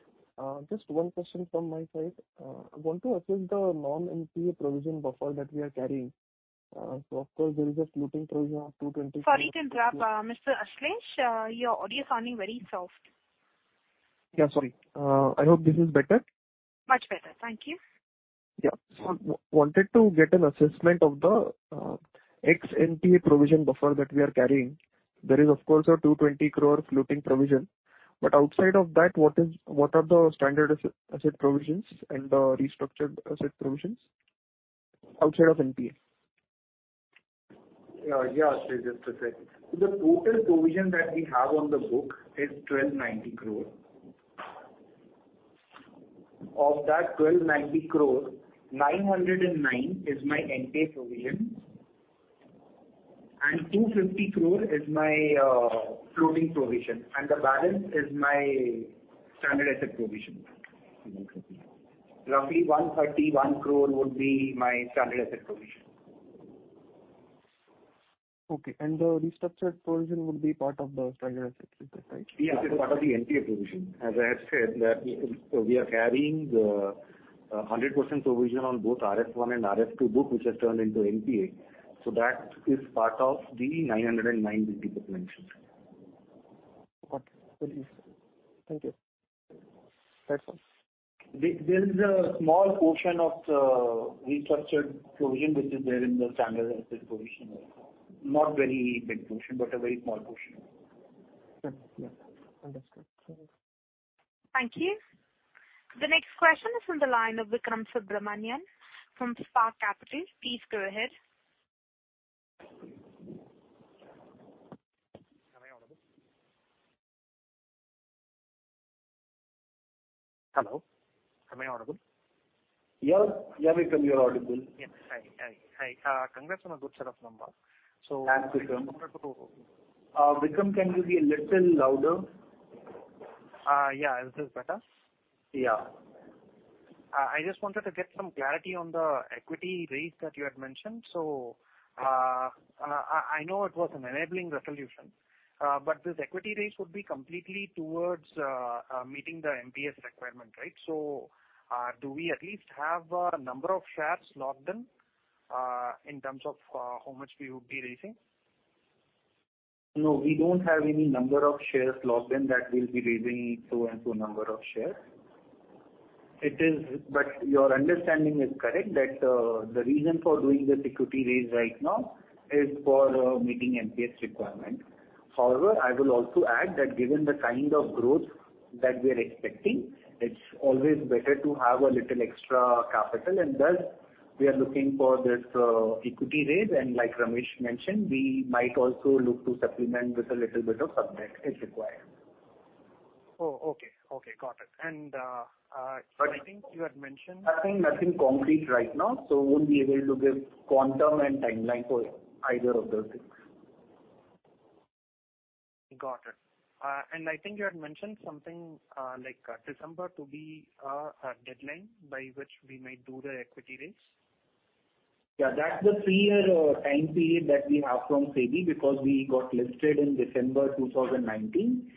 Just one question from my side. I want to assess the non-NPA provision buffer that we are carrying. Of course there is a floating provision of 220- Sorry to interrupt, Mr. Ashlesh. Your audio is sounding very soft. Yeah, sorry. I hope this is better. Much better. Thank you. Wanted to get an assessment of the excess NPA provision buffer that we are carrying. There is of course a 220 crore floating provision, but outside of that, what are the standard asset provisions and the restructured asset provisions? Outside of NPA. Yeah, Ashlesh Sonje, just a sec. The total provision that we have on the book is 1,290 crore. Of that 1,290 crore, 909 is my NPA provision and 250 crore is my floating provision, and the balance is my standard asset provision. Roughly 131 crore would be my standard asset provision. Okay. The restructured provision would be part of the standard asset, is that right? Yes. Yes, it's part of the NPA provision. As I have said that we are carrying the 100% provision on both RF 1.0 and RF 2.0 book, which has turned into NPA. That is part of the 909 that Deepak mentioned. Got it. Thank you. That's all. There is a small portion of the restructured provision which is there in the standard asset provision. Not very big portion, but a very small portion. Yes. Understood. Thank you. The next question is from the line of Vikram Subramanian from Spark Capital. Please go ahead. Am I audible? Hello, am I audible? Yeah. Yeah, Vikram, you're audible. Yes. Hi, hi. Congrats on a good set of numbers. Thanks, Vikram. I just wanted to. Vikram, can you be a little louder? Yeah. Is this better? Yeah. I just wanted to get some clarity on the equity raise that you had mentioned. I know it was an enabling resolution, but this equity raise would be completely towards meeting the MPS requirement, right? Do we at least have a number of shares locked in in terms of how much we would be raising? No, we don't have any number of shares locked in that we'll be raising so-and-so number of shares. Your understanding is correct that the reason for doing this equity raise right now is for meeting MPS requirement. However, I will also add that given the kind of growth that we are expecting, it's always better to have a little extra capital, and thus we are looking for this equity raise. Like Ramesh mentioned, we might also look to supplement with a little bit of sub debt if required. Oh, okay. Okay, got it. But- I think you had mentioned. Nothing, nothing concrete right now, so won't be able to give quantum and timeline for either of those things. Got it. I think you had mentioned something, like December to be a deadline by which we might do the equity raise. Yeah. That's the 3-year time period that we have from SEBI because we got listed in December 2019.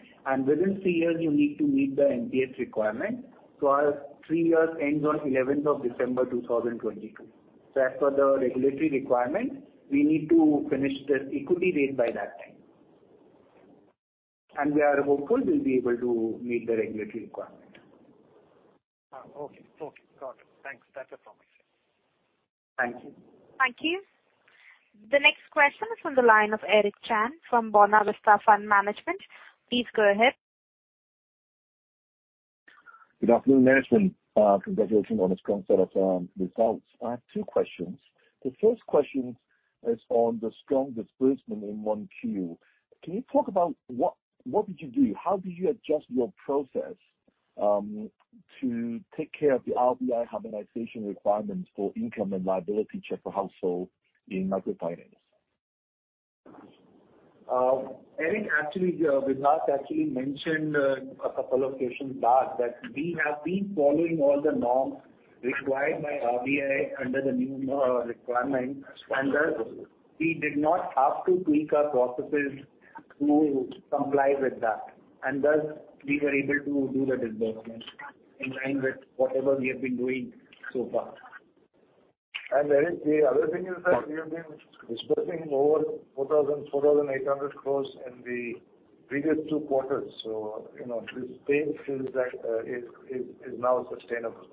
Within three years you need to meet the MPS requirement. Our three years ends on 11th of December 2022. As per the regulatory requirement, we need to finish this equity raise by that time. We are hopeful we'll be able to meet the regulatory requirement. Okay. Okay, got it. Thanks. That's affirmative. Thank you. Thank you. The next question is from the line of Eric Chan from Buena Vista Fund Management. Please go ahead. Good afternoon, management. Congratulations on a strong set of results. I have two questions. The first question is on the strong disbursement in 1Q. Can you talk about what did you do? How did you adjust your process to take care of the RBI harmonization requirements for income and liability check per household in microfinance? Eric, actually, Vibhas actually mentioned a couple of questions back that we have been following all the norms required by RBI under the new requirements. Thus we did not have to tweak our processes to comply with that. Thus we were able to do the disbursement in line with whatever we have been doing so far. Eric, the other thing is that we have been disbursing over 4,000 crore, 4,800 crore in the previous two quarters. You know, this pace is now sustainable.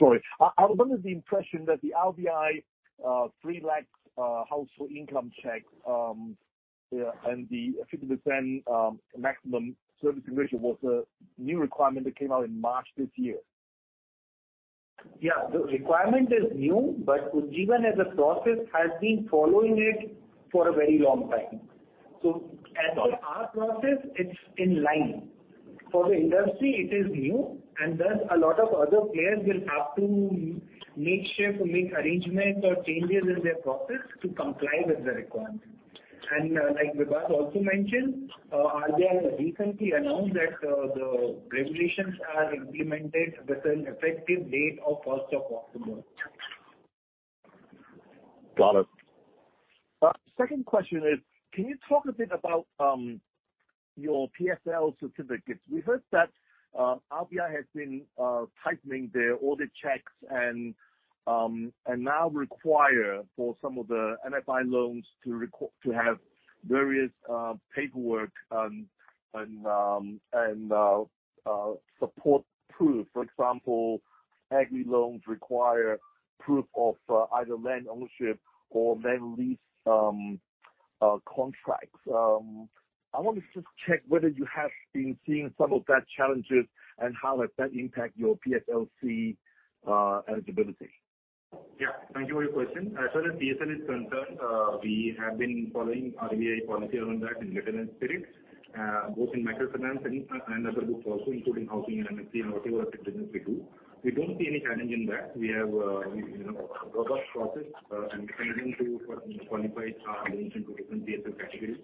Sorry. I was under the impression that the RBI 3 lakhs household income check and the 50% maximum FOIR was a new requirement that came out in March this year. Yeah. The requirement is new, but Ujjivan as a process has been following it for a very long time. As per our process, it's in line. For the industry, it is new and thus a lot of other players will have to make sure to make arrangements or changes in their process to comply with the requirement. Like Vibhas also mentioned, RBI recently announced that the regulations are implemented with an effective date of first of October. Got it. Second question is, can you talk a bit about your PSL certificates? We heard that RBI has been tightening their audit checks and now require for some of the MFI loans to have various paperwork and support proof. For example, agri loans require proof of either land ownership or land lease. I want to just check whether you have been seeing some of that challenges and how has that impact your PSLC eligibility? Yeah. Thank you for your question. As far as PSL is concerned, we have been following RBI policy around that in letter and spirit, both in microfinance and other groups also, including housing and NBFC and whatever other business we do. We don't see any challenge in that. We have, you know, robust process and continuing to qualify loans into different PSL categories.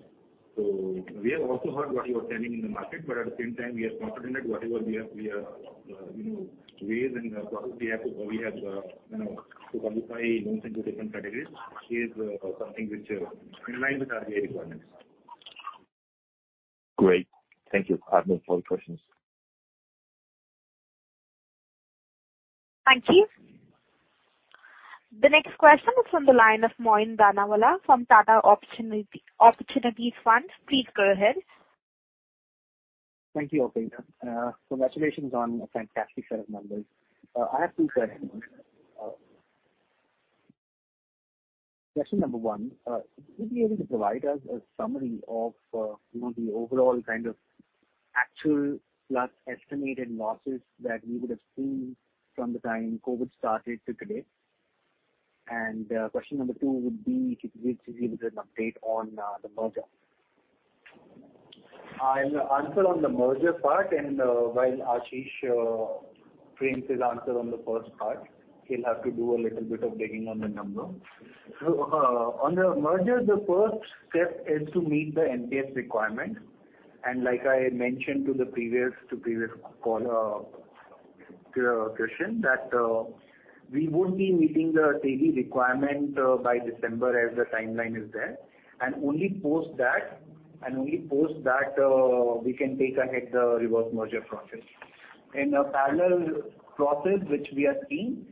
We have also heard what you are telling in the market, but at the same time, we are confident whatever we have, we are, you know, ways and process we have to qualify loans into different categories is something which in line with RBI requirements. Great. Thank you. I have no further questions. Thank you. The next question is from the line of Moin Danawala from Tata Opportunities Fund. Please go ahead. Thank you, Operator. Congratulations on a fantastic set of numbers. I have two questions. Question number one, would you be able to provide us a summary of, you know, the overall kind of actual plus estimated losses that we would have seen from the time COVID started to today? Question number two would be if you could give us an update on the merger. I'll answer on the merger part, and while Ashish frames his answer on the first part. He'll have to do a little bit of digging on the number. On the merger, the first step is to meet the MPS requirement. Like I mentioned to the previous caller, to your question, that we would be meeting the SEBI requirement by December as the timeline is there. Only post that, we can take ahead the reverse merger process. In a parallel process which we are seeing,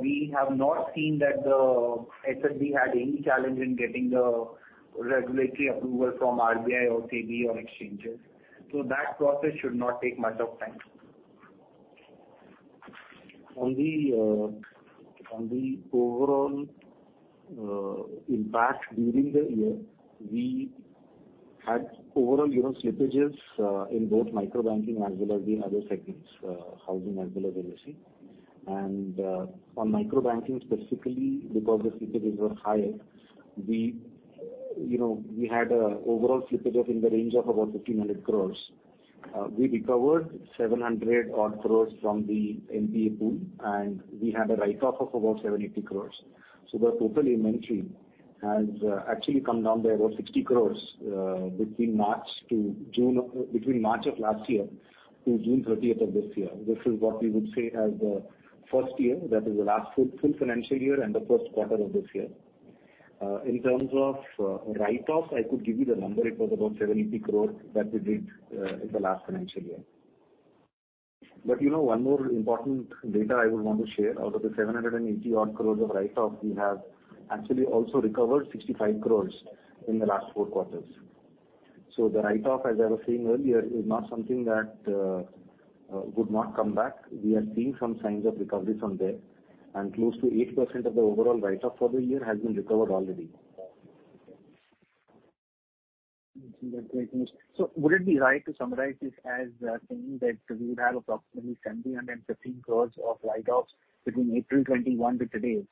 we have not seen that the SFB had any challenge in getting the regulatory approval from RBI or SEBI or exchanges. That process should not take much of time. On the overall impact during the year, we had overall, you know, slippages in both micro-banking as well as in other segments, housing as well as NBFC. On micro-banking specifically, because the slippages were higher, you know, we had overall slippages in the range of about 1,500 crores. We recovered 700-odd crores from the NPA pool, and we had a write-off of about 780 crores. The total inventory has actually come down to about 60 crores between March of last year to June 30 of this year. This is what we would say as the first year, that is the last full financial year and the first quarter of this year. In terms of write-off, I could give you the number. It was about 780 crores that we did in the last financial year. You know, one more important data I would want to share. Out of the 780-odd crores of write-off, we have actually also recovered 65 crores in the last four quarters. The write-off, as I was saying earlier, is not something that would not come back. We are seeing some signs of recovery from there, and close to 8% of the overall write-off for the year has been recovered already. That's great news. Would it be right to summarize this as saying that we would have approximately 1,715 crores of write-offs between April 2021 to today,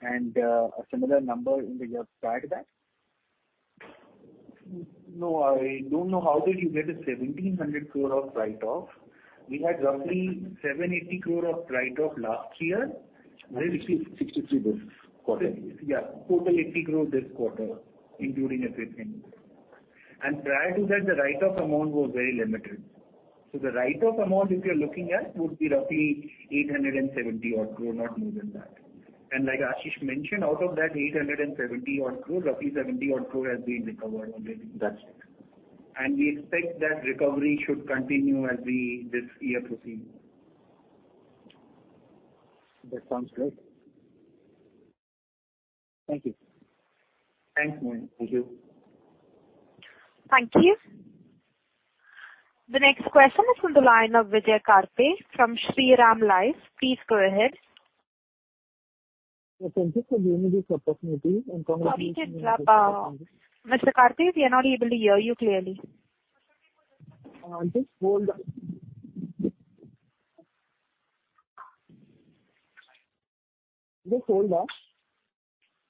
and a similar number in the years prior to that? No, I don't know how did you get 1,700 crore of write-off. We had roughly 780 crore of write-off last year. 66, 63 this quarter. Yeah. Total 80 crore this quarter, including everything. Prior to that, the write-off amount was very limited. So the write-off amount, if you're looking at, would be roughly 870-odd crore, not more than that. Like Ashish mentioned, out of that 870-odd crores, roughly 70-odd crore has been recovered already. Gotcha. We expect that recovery should continue as we, this year proceed. That sounds good. Thank you. Thanks, Moin. Thank you. Thank you. The next question is from the line of Vijay Karpe from Shriram Life Insurance. Please go ahead. Thank you for giving me this opportunity and congratulations. Sorry, Mr. Karpe. We are not able to hear you clearly. Just hold on.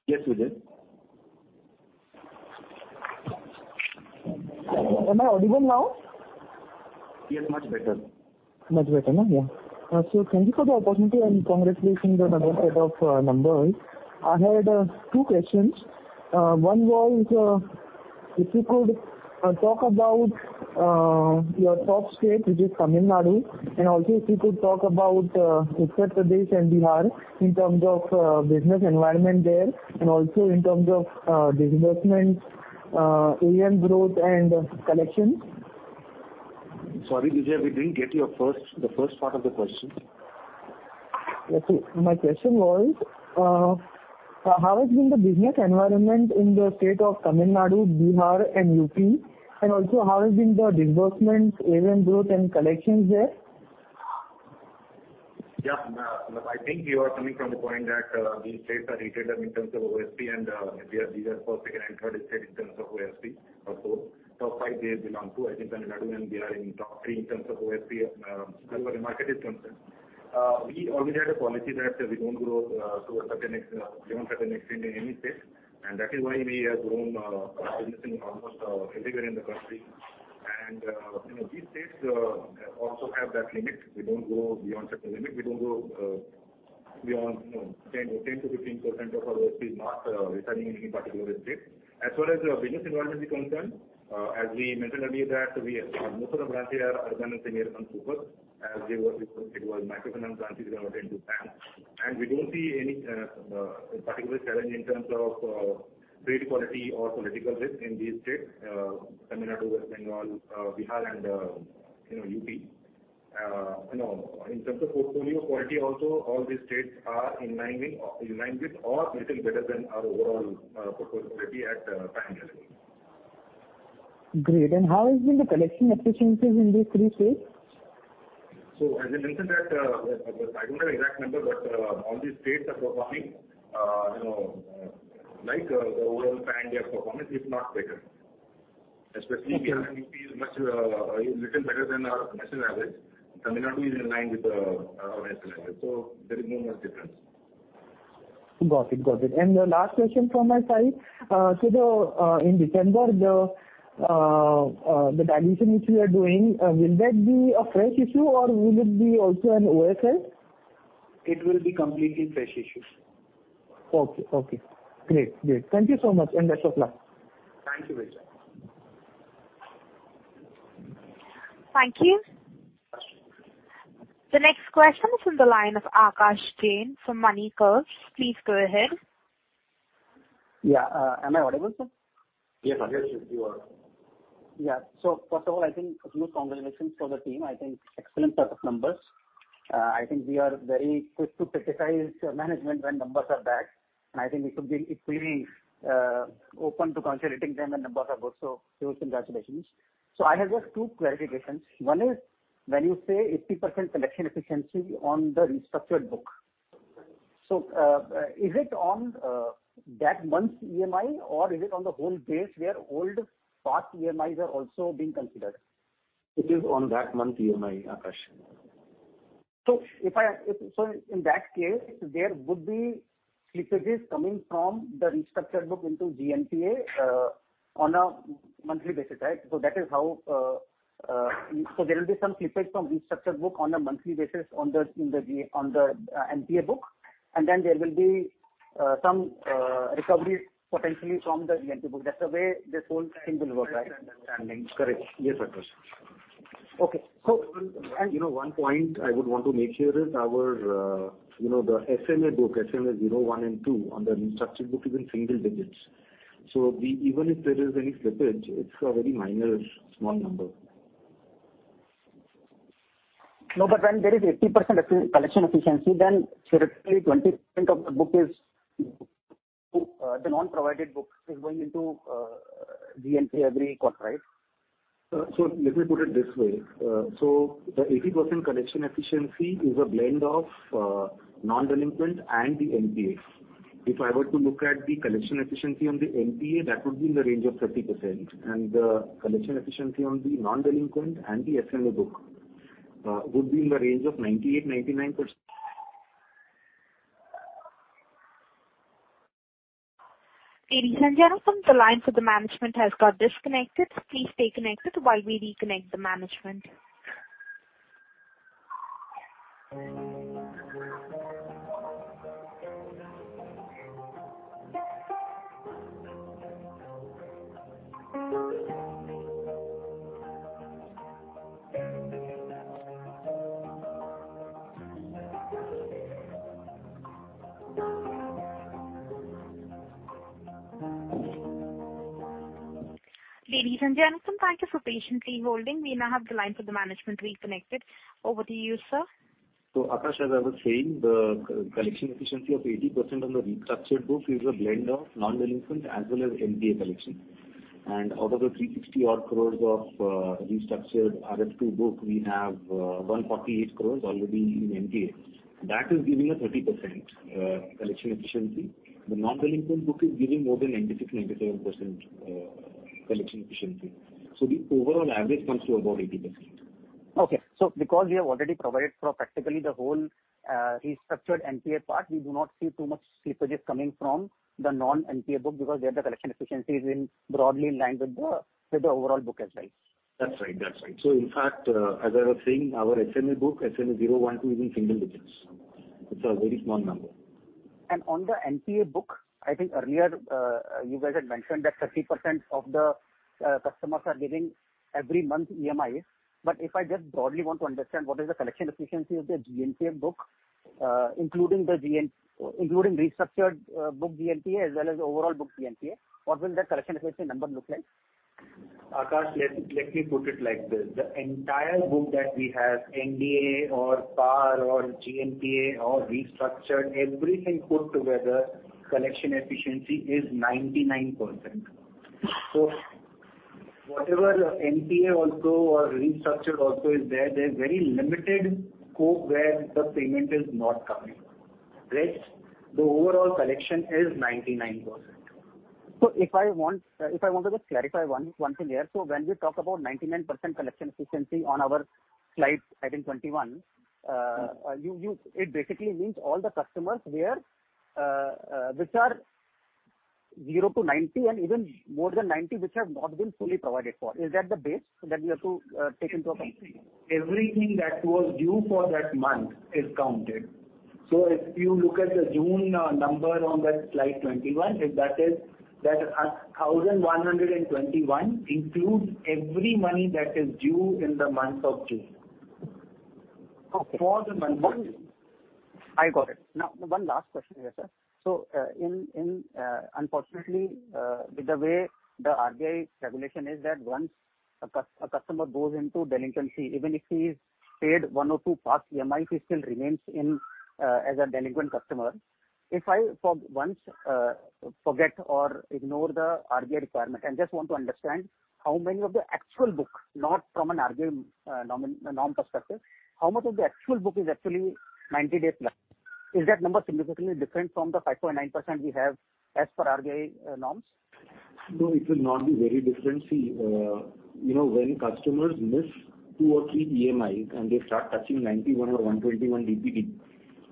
Yes, Vijay. Am I audible now? Yes, much better. Much better now? Yeah. Thank you for the opportunity and congratulations on another set of numbers. I had two questions. One was, if you could talk about your top state, which is Tamil Nadu, and also if you could talk about Uttar Pradesh and Bihar in terms of business environment there, and also in terms of disbursements, AUM growth and collections. Sorry, Vijay. We didn't get the first part of the question. Okay. My question was, how has been the business environment in the state of Tamil Nadu, Bihar and UP? Also, how has been the disbursements, AUM growth and collections there? Yeah. I think you are coming from the point that these states are retailers in terms of AUM and these are first, second and third state in terms of AUM. Top five they belong to, I think, Tamil Nadu and they are in top three in terms of AUM, as far as the market is concerned. We always had a policy that we don't grow to a certain extent, beyond a certain extent in any state, and that is why we have grown our business in almost everywhere in the country. You know, these states also have that limit. We don't grow beyond certain limit. We don't grow beyond, you know, 10%-15% of our business is not residing in any particular state. As far as the business environment is concerned, as we mentioned earlier, most of the branches are urban and semi-urban customers. As they were before it was microfinance branches converted into banks. We don't see any particular challenge in terms of credit quality or political risk in these states, Tamil Nadu, West Bengal, Bihar and, you know, UP. You know, in terms of portfolio quality also all these states are in line with or little better than our overall portfolio quality at Pan India level. Great. How has been the collection efficiencies in these three states? As I mentioned that, I don't have the exact number, but, all these states are performing, you know, like, the overall pan-India performance, if not better. Especially Kerala and UP is much, little better than our national average. Tamil Nadu is in line with, our national average, so there is not much difference. Got it. The last question from my side, so, in December, the dilution which we are doing, will that be a fresh issue or will it be also an OFS? It will be completely fresh issue. Okay, great. Thank you so much, and best of luck. Thank you, Vijay. Thank you. The next question is from the line of Akash Jain from MoneyCurve. Please go ahead. Yeah. Am I audible, sir? Yes, Akash, you are. Yeah. First of all, I think a few congratulations for the team. I think excellent set of numbers. I think we are very quick to criticize management when numbers are bad, and I think we should be equally open to congratulating them when numbers are good. Pure congratulations. I have just 2 clarifications. One is when you say 80% collection efficiency on the restructured book, is it on that month's EMI or is it on the whole base where old past EMIs are also being considered? It is on that month EMI, Akash. In that case, there would be slippages coming from the restructured book into GNPA on a monthly basis, right? That is how there will be some slippage from restructured book on a monthly basis on the NPA book. Then there will be some recovery potentially from the GNPA book. That's the way this whole thing will work, right? That's my understanding. Correct. Yes, Akash. Okay. You know, one point I would want to make here is our, you know, the SMA book, SMA 0-1 and 2 on the restructured book is in single digits. Even if there is any slippage, it's a very minor small number. No, but when there is 80% collection efficiency, then theoretically 20% of the book, the non-provisioned book, is going into GNPA every quarter, right? Let me put it this way. The 80% collection efficiency is a blend of non-delinquent and the NPAs. If I were to look at the collection efficiency on the NPA, that would be in the range of 30%. The collection efficiency on the non-delinquent and the SMA book would be in the range of 98%-99%. Ladies and gentlemen, the line for the management has got disconnected. Please stay connected while we reconnect the management. Ladies and gentlemen, thank you for patiently holding. We now have the line for the management reconnected. Over to you, sir. Akash, as I was saying, the collection efficiency of 80% on the restructured book is a blend of non-delinquent as well as NPA collection. Out of the 360 odd crore of restructured RF 2.0 book, we have 148 crore already in NPA. That is giving a 30% collection efficiency. The non-delinquent book is giving more than 96%-97% collection efficiency. The overall average comes to about 80%. Okay. Because we have already provided for practically the whole restructured NPA part, we do not see too much slippages coming from the non-NPA book because there the collection efficiency is broadly in line with the overall book as right. That's right. In fact, as I was saying, our SMA book, SMA 0, 1, 2 is in single digits. It's a very small number. On the NPA book, I think earlier, you guys had mentioned that 30% of the customers are giving every month EMIs. But if I just broadly want to understand what is the collection efficiency of the GNPA book, including restructured book GNPA as well as overall book GNPA, what will that collection efficiency number look like? Akash, let me put it like this. The entire book that we have NPA or PAR or GNPA or restructured, everything put together, collection efficiency is 99%. Whatever NPA also or restructure also is there's very limited scope where the payment is not coming. Rest, the overall collection is 99%. If I want to just clarify one thing here. When we talk about 99% collection efficiency on our slide, I think 21. It basically means all the customers which are 0 to 90 and even more than 90 which have not been fully provided for. Is that the base that we have to take into account? Everything that was due for that month is counted. If you look at the June number on that slide 21, 1,121 includes every money that is due in the month of June. Okay. For the month of June. I got it. Now, one last question here, sir. Unfortunately, with the way the RBI regulation is that once a customer goes into delinquency, even if he's paid one or two past EMIs, he still remains in as a delinquent customer. If I for once forget or ignore the RBI requirement and just want to understand how many of the actual book, not from an RBI norm perspective, how much of the actual book is actually 90-day plus? Is that number significantly different from the 5.9% we have as per RBI norms? No, it will not be very different. See, you know, when customers miss 2 or 3 EMIs and they start touching 91 or 121 DPD,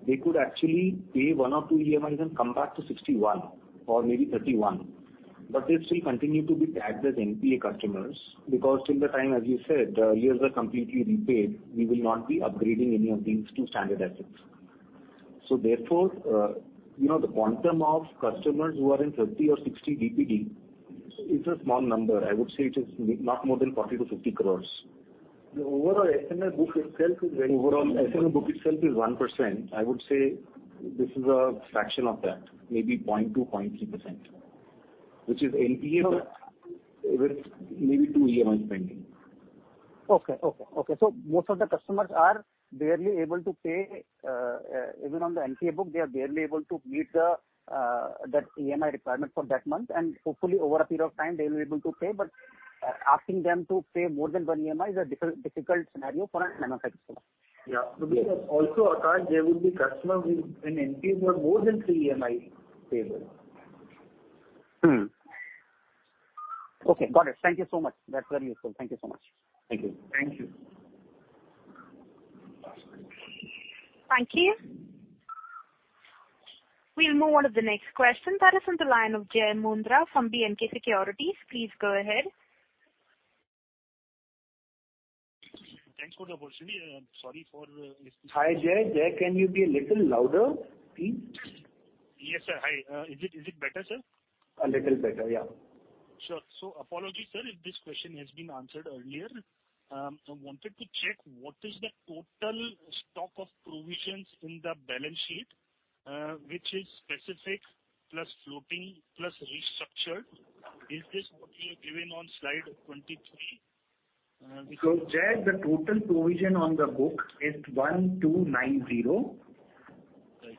they could actually pay 1 or 2 EMIs and come back to 61 or maybe 31. They still continue to be tagged as NPA customers because till the time, as you said, EMIs are completely repaid, we will not be upgrading any of these to standard assets. You know, the quantum of customers who are in 30 or 60 DPD, it is a small number. I would say it is not more than 40 crore-50 crore. The overall SMA book itself is very. Overall SMA book itself is 1%. I would say this is a fraction of that, maybe 0.2%-0.3%, which is NPA with maybe 2 EMIs pending. Okay. Most of the customers are barely able to pay, even on the NPA book, they are barely able to meet that EMI requirement for that month, and hopefully over a period of time they'll be able to pay. Asking them to pay more than one EMI is a difficult scenario for an MFI customer. Yeah. Because also, Akash, there would be customers with an NPA for more than three EMI payable. Okay. Got it. Thank you so much. That's very useful. Thank you so much. Thank you. Thank you. Thank you. We'll move on to the next question. That is on the line of Jai Mundhra from B&K Securities. Please go ahead. Thanks for the opportunity. Hi, Jai. Jai, can you be a little louder, please? Yes, sir. Hi. Is it better, sir? A little better, yeah. Sure. Apologies, sir, if this question has been answered earlier. I wanted to check what is the total stock of provisions in the balance sheet, which is specific plus floating plus restructured. Is this what you have given on slide 23? Jai, the total provision on the book is 1,290. Right.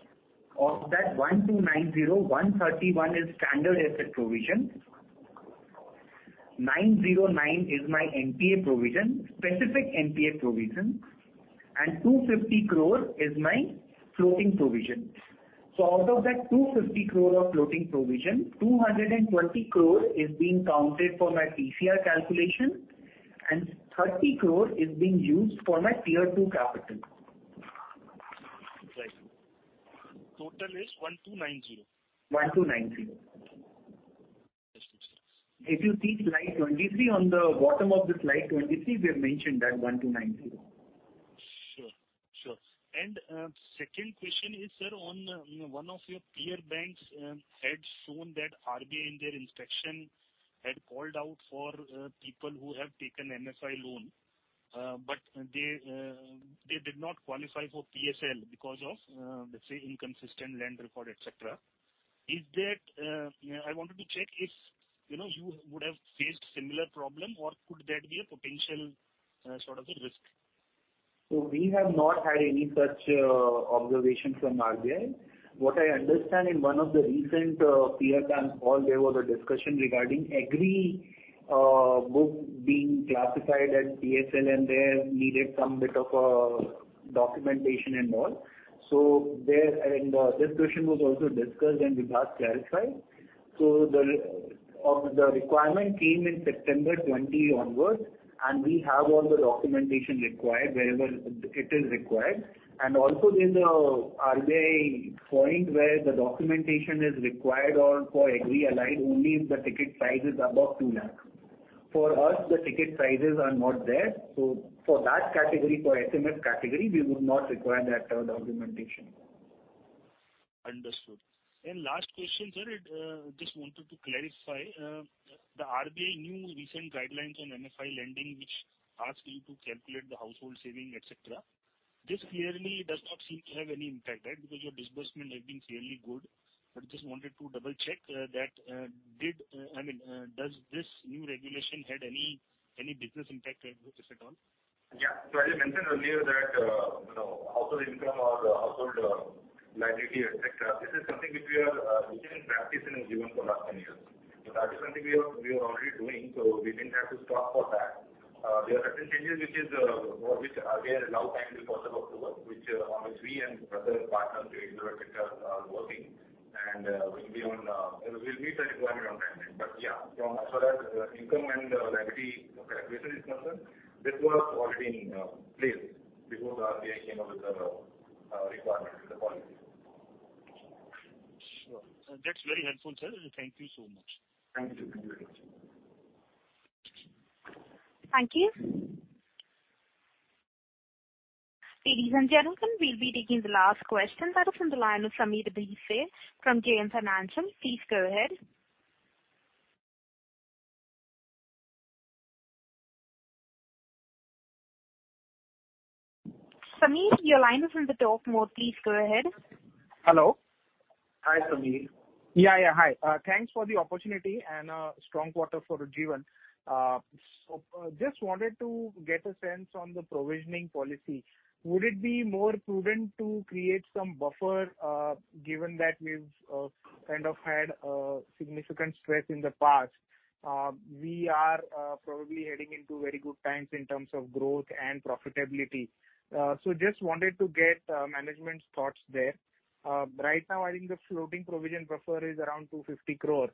Of that 1,290 crore, 131 crore is standard asset provision, 909 crore is my NPA provision, specific NPA provision, and 250 crore is my floating provision. Out of that 250 crore of floating provision, 220 crore is being counted for my TCR calculation and 30 crore is being used for my Tier 2 capital. Right. Total is INR 1,290. 1290. Yes. If you see slide 23, on the bottom of the slide 23, we have mentioned that 1290. Sure, sure. Second question is, sir, on, you know, one of your peer banks, had shown that RBI in their inspection had called out for, people who have taken MFI loan, but they did not qualify for PSL because of, let's say, inconsistent land record, et cetera. Is that, I wanted to check if, you know, you would have faced similar problem or could that be a potential, sort of a risk? We have not had any such observation from RBI. What I understand in one of the recent peer bank call, there was a discussion regarding Agri book being classified as PSL and they needed some bit of a documentation and all. This question was also discussed and Vibhas clarified. The requirement came in September 2020 onwards, and we have all the documentation required wherever it is required. Also in the RBI point where the documentation is required or for Agri aligned only if the ticket size is above 2 lakh. For us, the ticket sizes are not there. For that category, for MSME category, we would not require that documentation. Understood. Last question, sir. Just wanted to clarify, the RBI new recent guidelines on MFI lending, which ask you to calculate the household saving, et cetera. This clearly does not seem to have any impact, right? Because your disbursement has been clearly good, but just wanted to double-check, that, I mean, does this new regulation had any business impact to Ujjivan at all? Yeah. As I mentioned earlier that, you know, household income or household liability, et cetera, this is something which is in practice in Ujjivan for the last 10 years. That is something we are already doing, so we didn't have to stop for that. There are certain changes which are there allowed time till first of October, on which we and other partners in the sector are working and we'll meet the requirement on time then. Yeah, as far as income and liability calculation is concerned, this was already in place before the RBI came out with the requirement, with the policy. Sure. That's very helpful, sir. Thank you so much. Thank you. Thank you. Ladies and gentlemen, we'll be taking the last question. That is from the line of Sameer Bhise from JM Financial. Please go ahead. Sameer, your line is on the talk mode. Please go ahead. Hello. Hi, Sameer. Yeah, yeah. Hi. Thanks for the opportunity and strong quarter for Ujjivan. So just wanted to get a sense on the provisioning policy. Would it be more prudent to create some buffer given that we've kind of had significant stress in the past? We are probably heading into very good times in terms of growth and profitability. So just wanted to get management's thoughts there. Right now, I think the floating provision buffer is around 250 crore.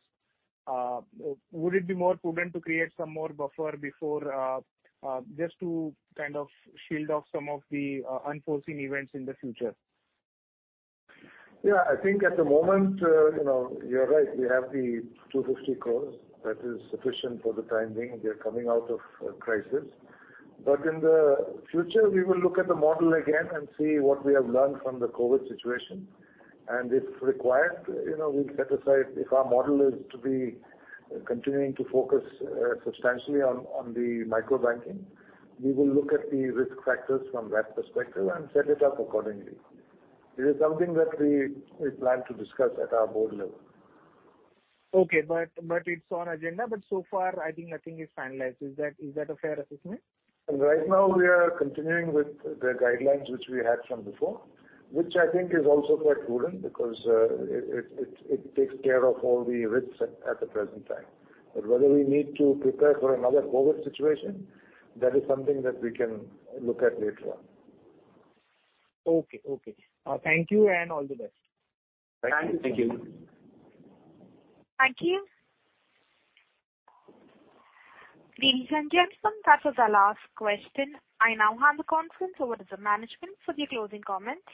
Would it be more prudent to create some more buffer before just to kind of shield off some of the unforeseen events in the future? Yeah. I think at the moment, you know, you're right, we have 250 crore. That is sufficient for the time being. We are coming out of a crisis. In the future, we will look at the model again and see what we have learned from the COVID situation. If required, you know, we'll set aside, if our model is to be continuing to focus substantially on the microbanking, we will look at the risk factors from that perspective and set it up accordingly. It is something that we plan to discuss at our board level. Okay. It's on agenda, but so far I think nothing is finalized. Is that a fair assessment? Right now we are continuing with the guidelines which we had from before, which I think is also quite prudent because it takes care of all the risks at the present time. Whether we need to prepare for another COVID situation, that is something that we can look at later on. Okay. Okay, thank you and all the best. Thank you. Thank you. Thank you. Ladies and gentlemen, that was our last question. I now hand the conference over to management for the closing comments.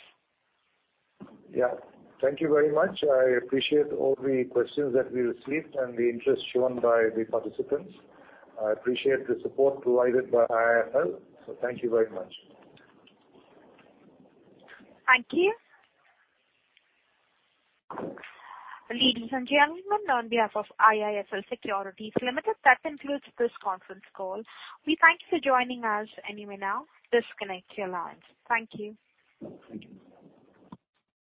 Yeah. Thank you very much. I appreciate all the questions that we received and the interest shown by the participants. I appreciate the support provided by IIFL, so thank you very much. Thank you. Ladies and gentlemen, on behalf of IIFL Securities Limited, that concludes this conference call. We thank you for joining us. You may now disconnect your lines. Thank you. Thank you.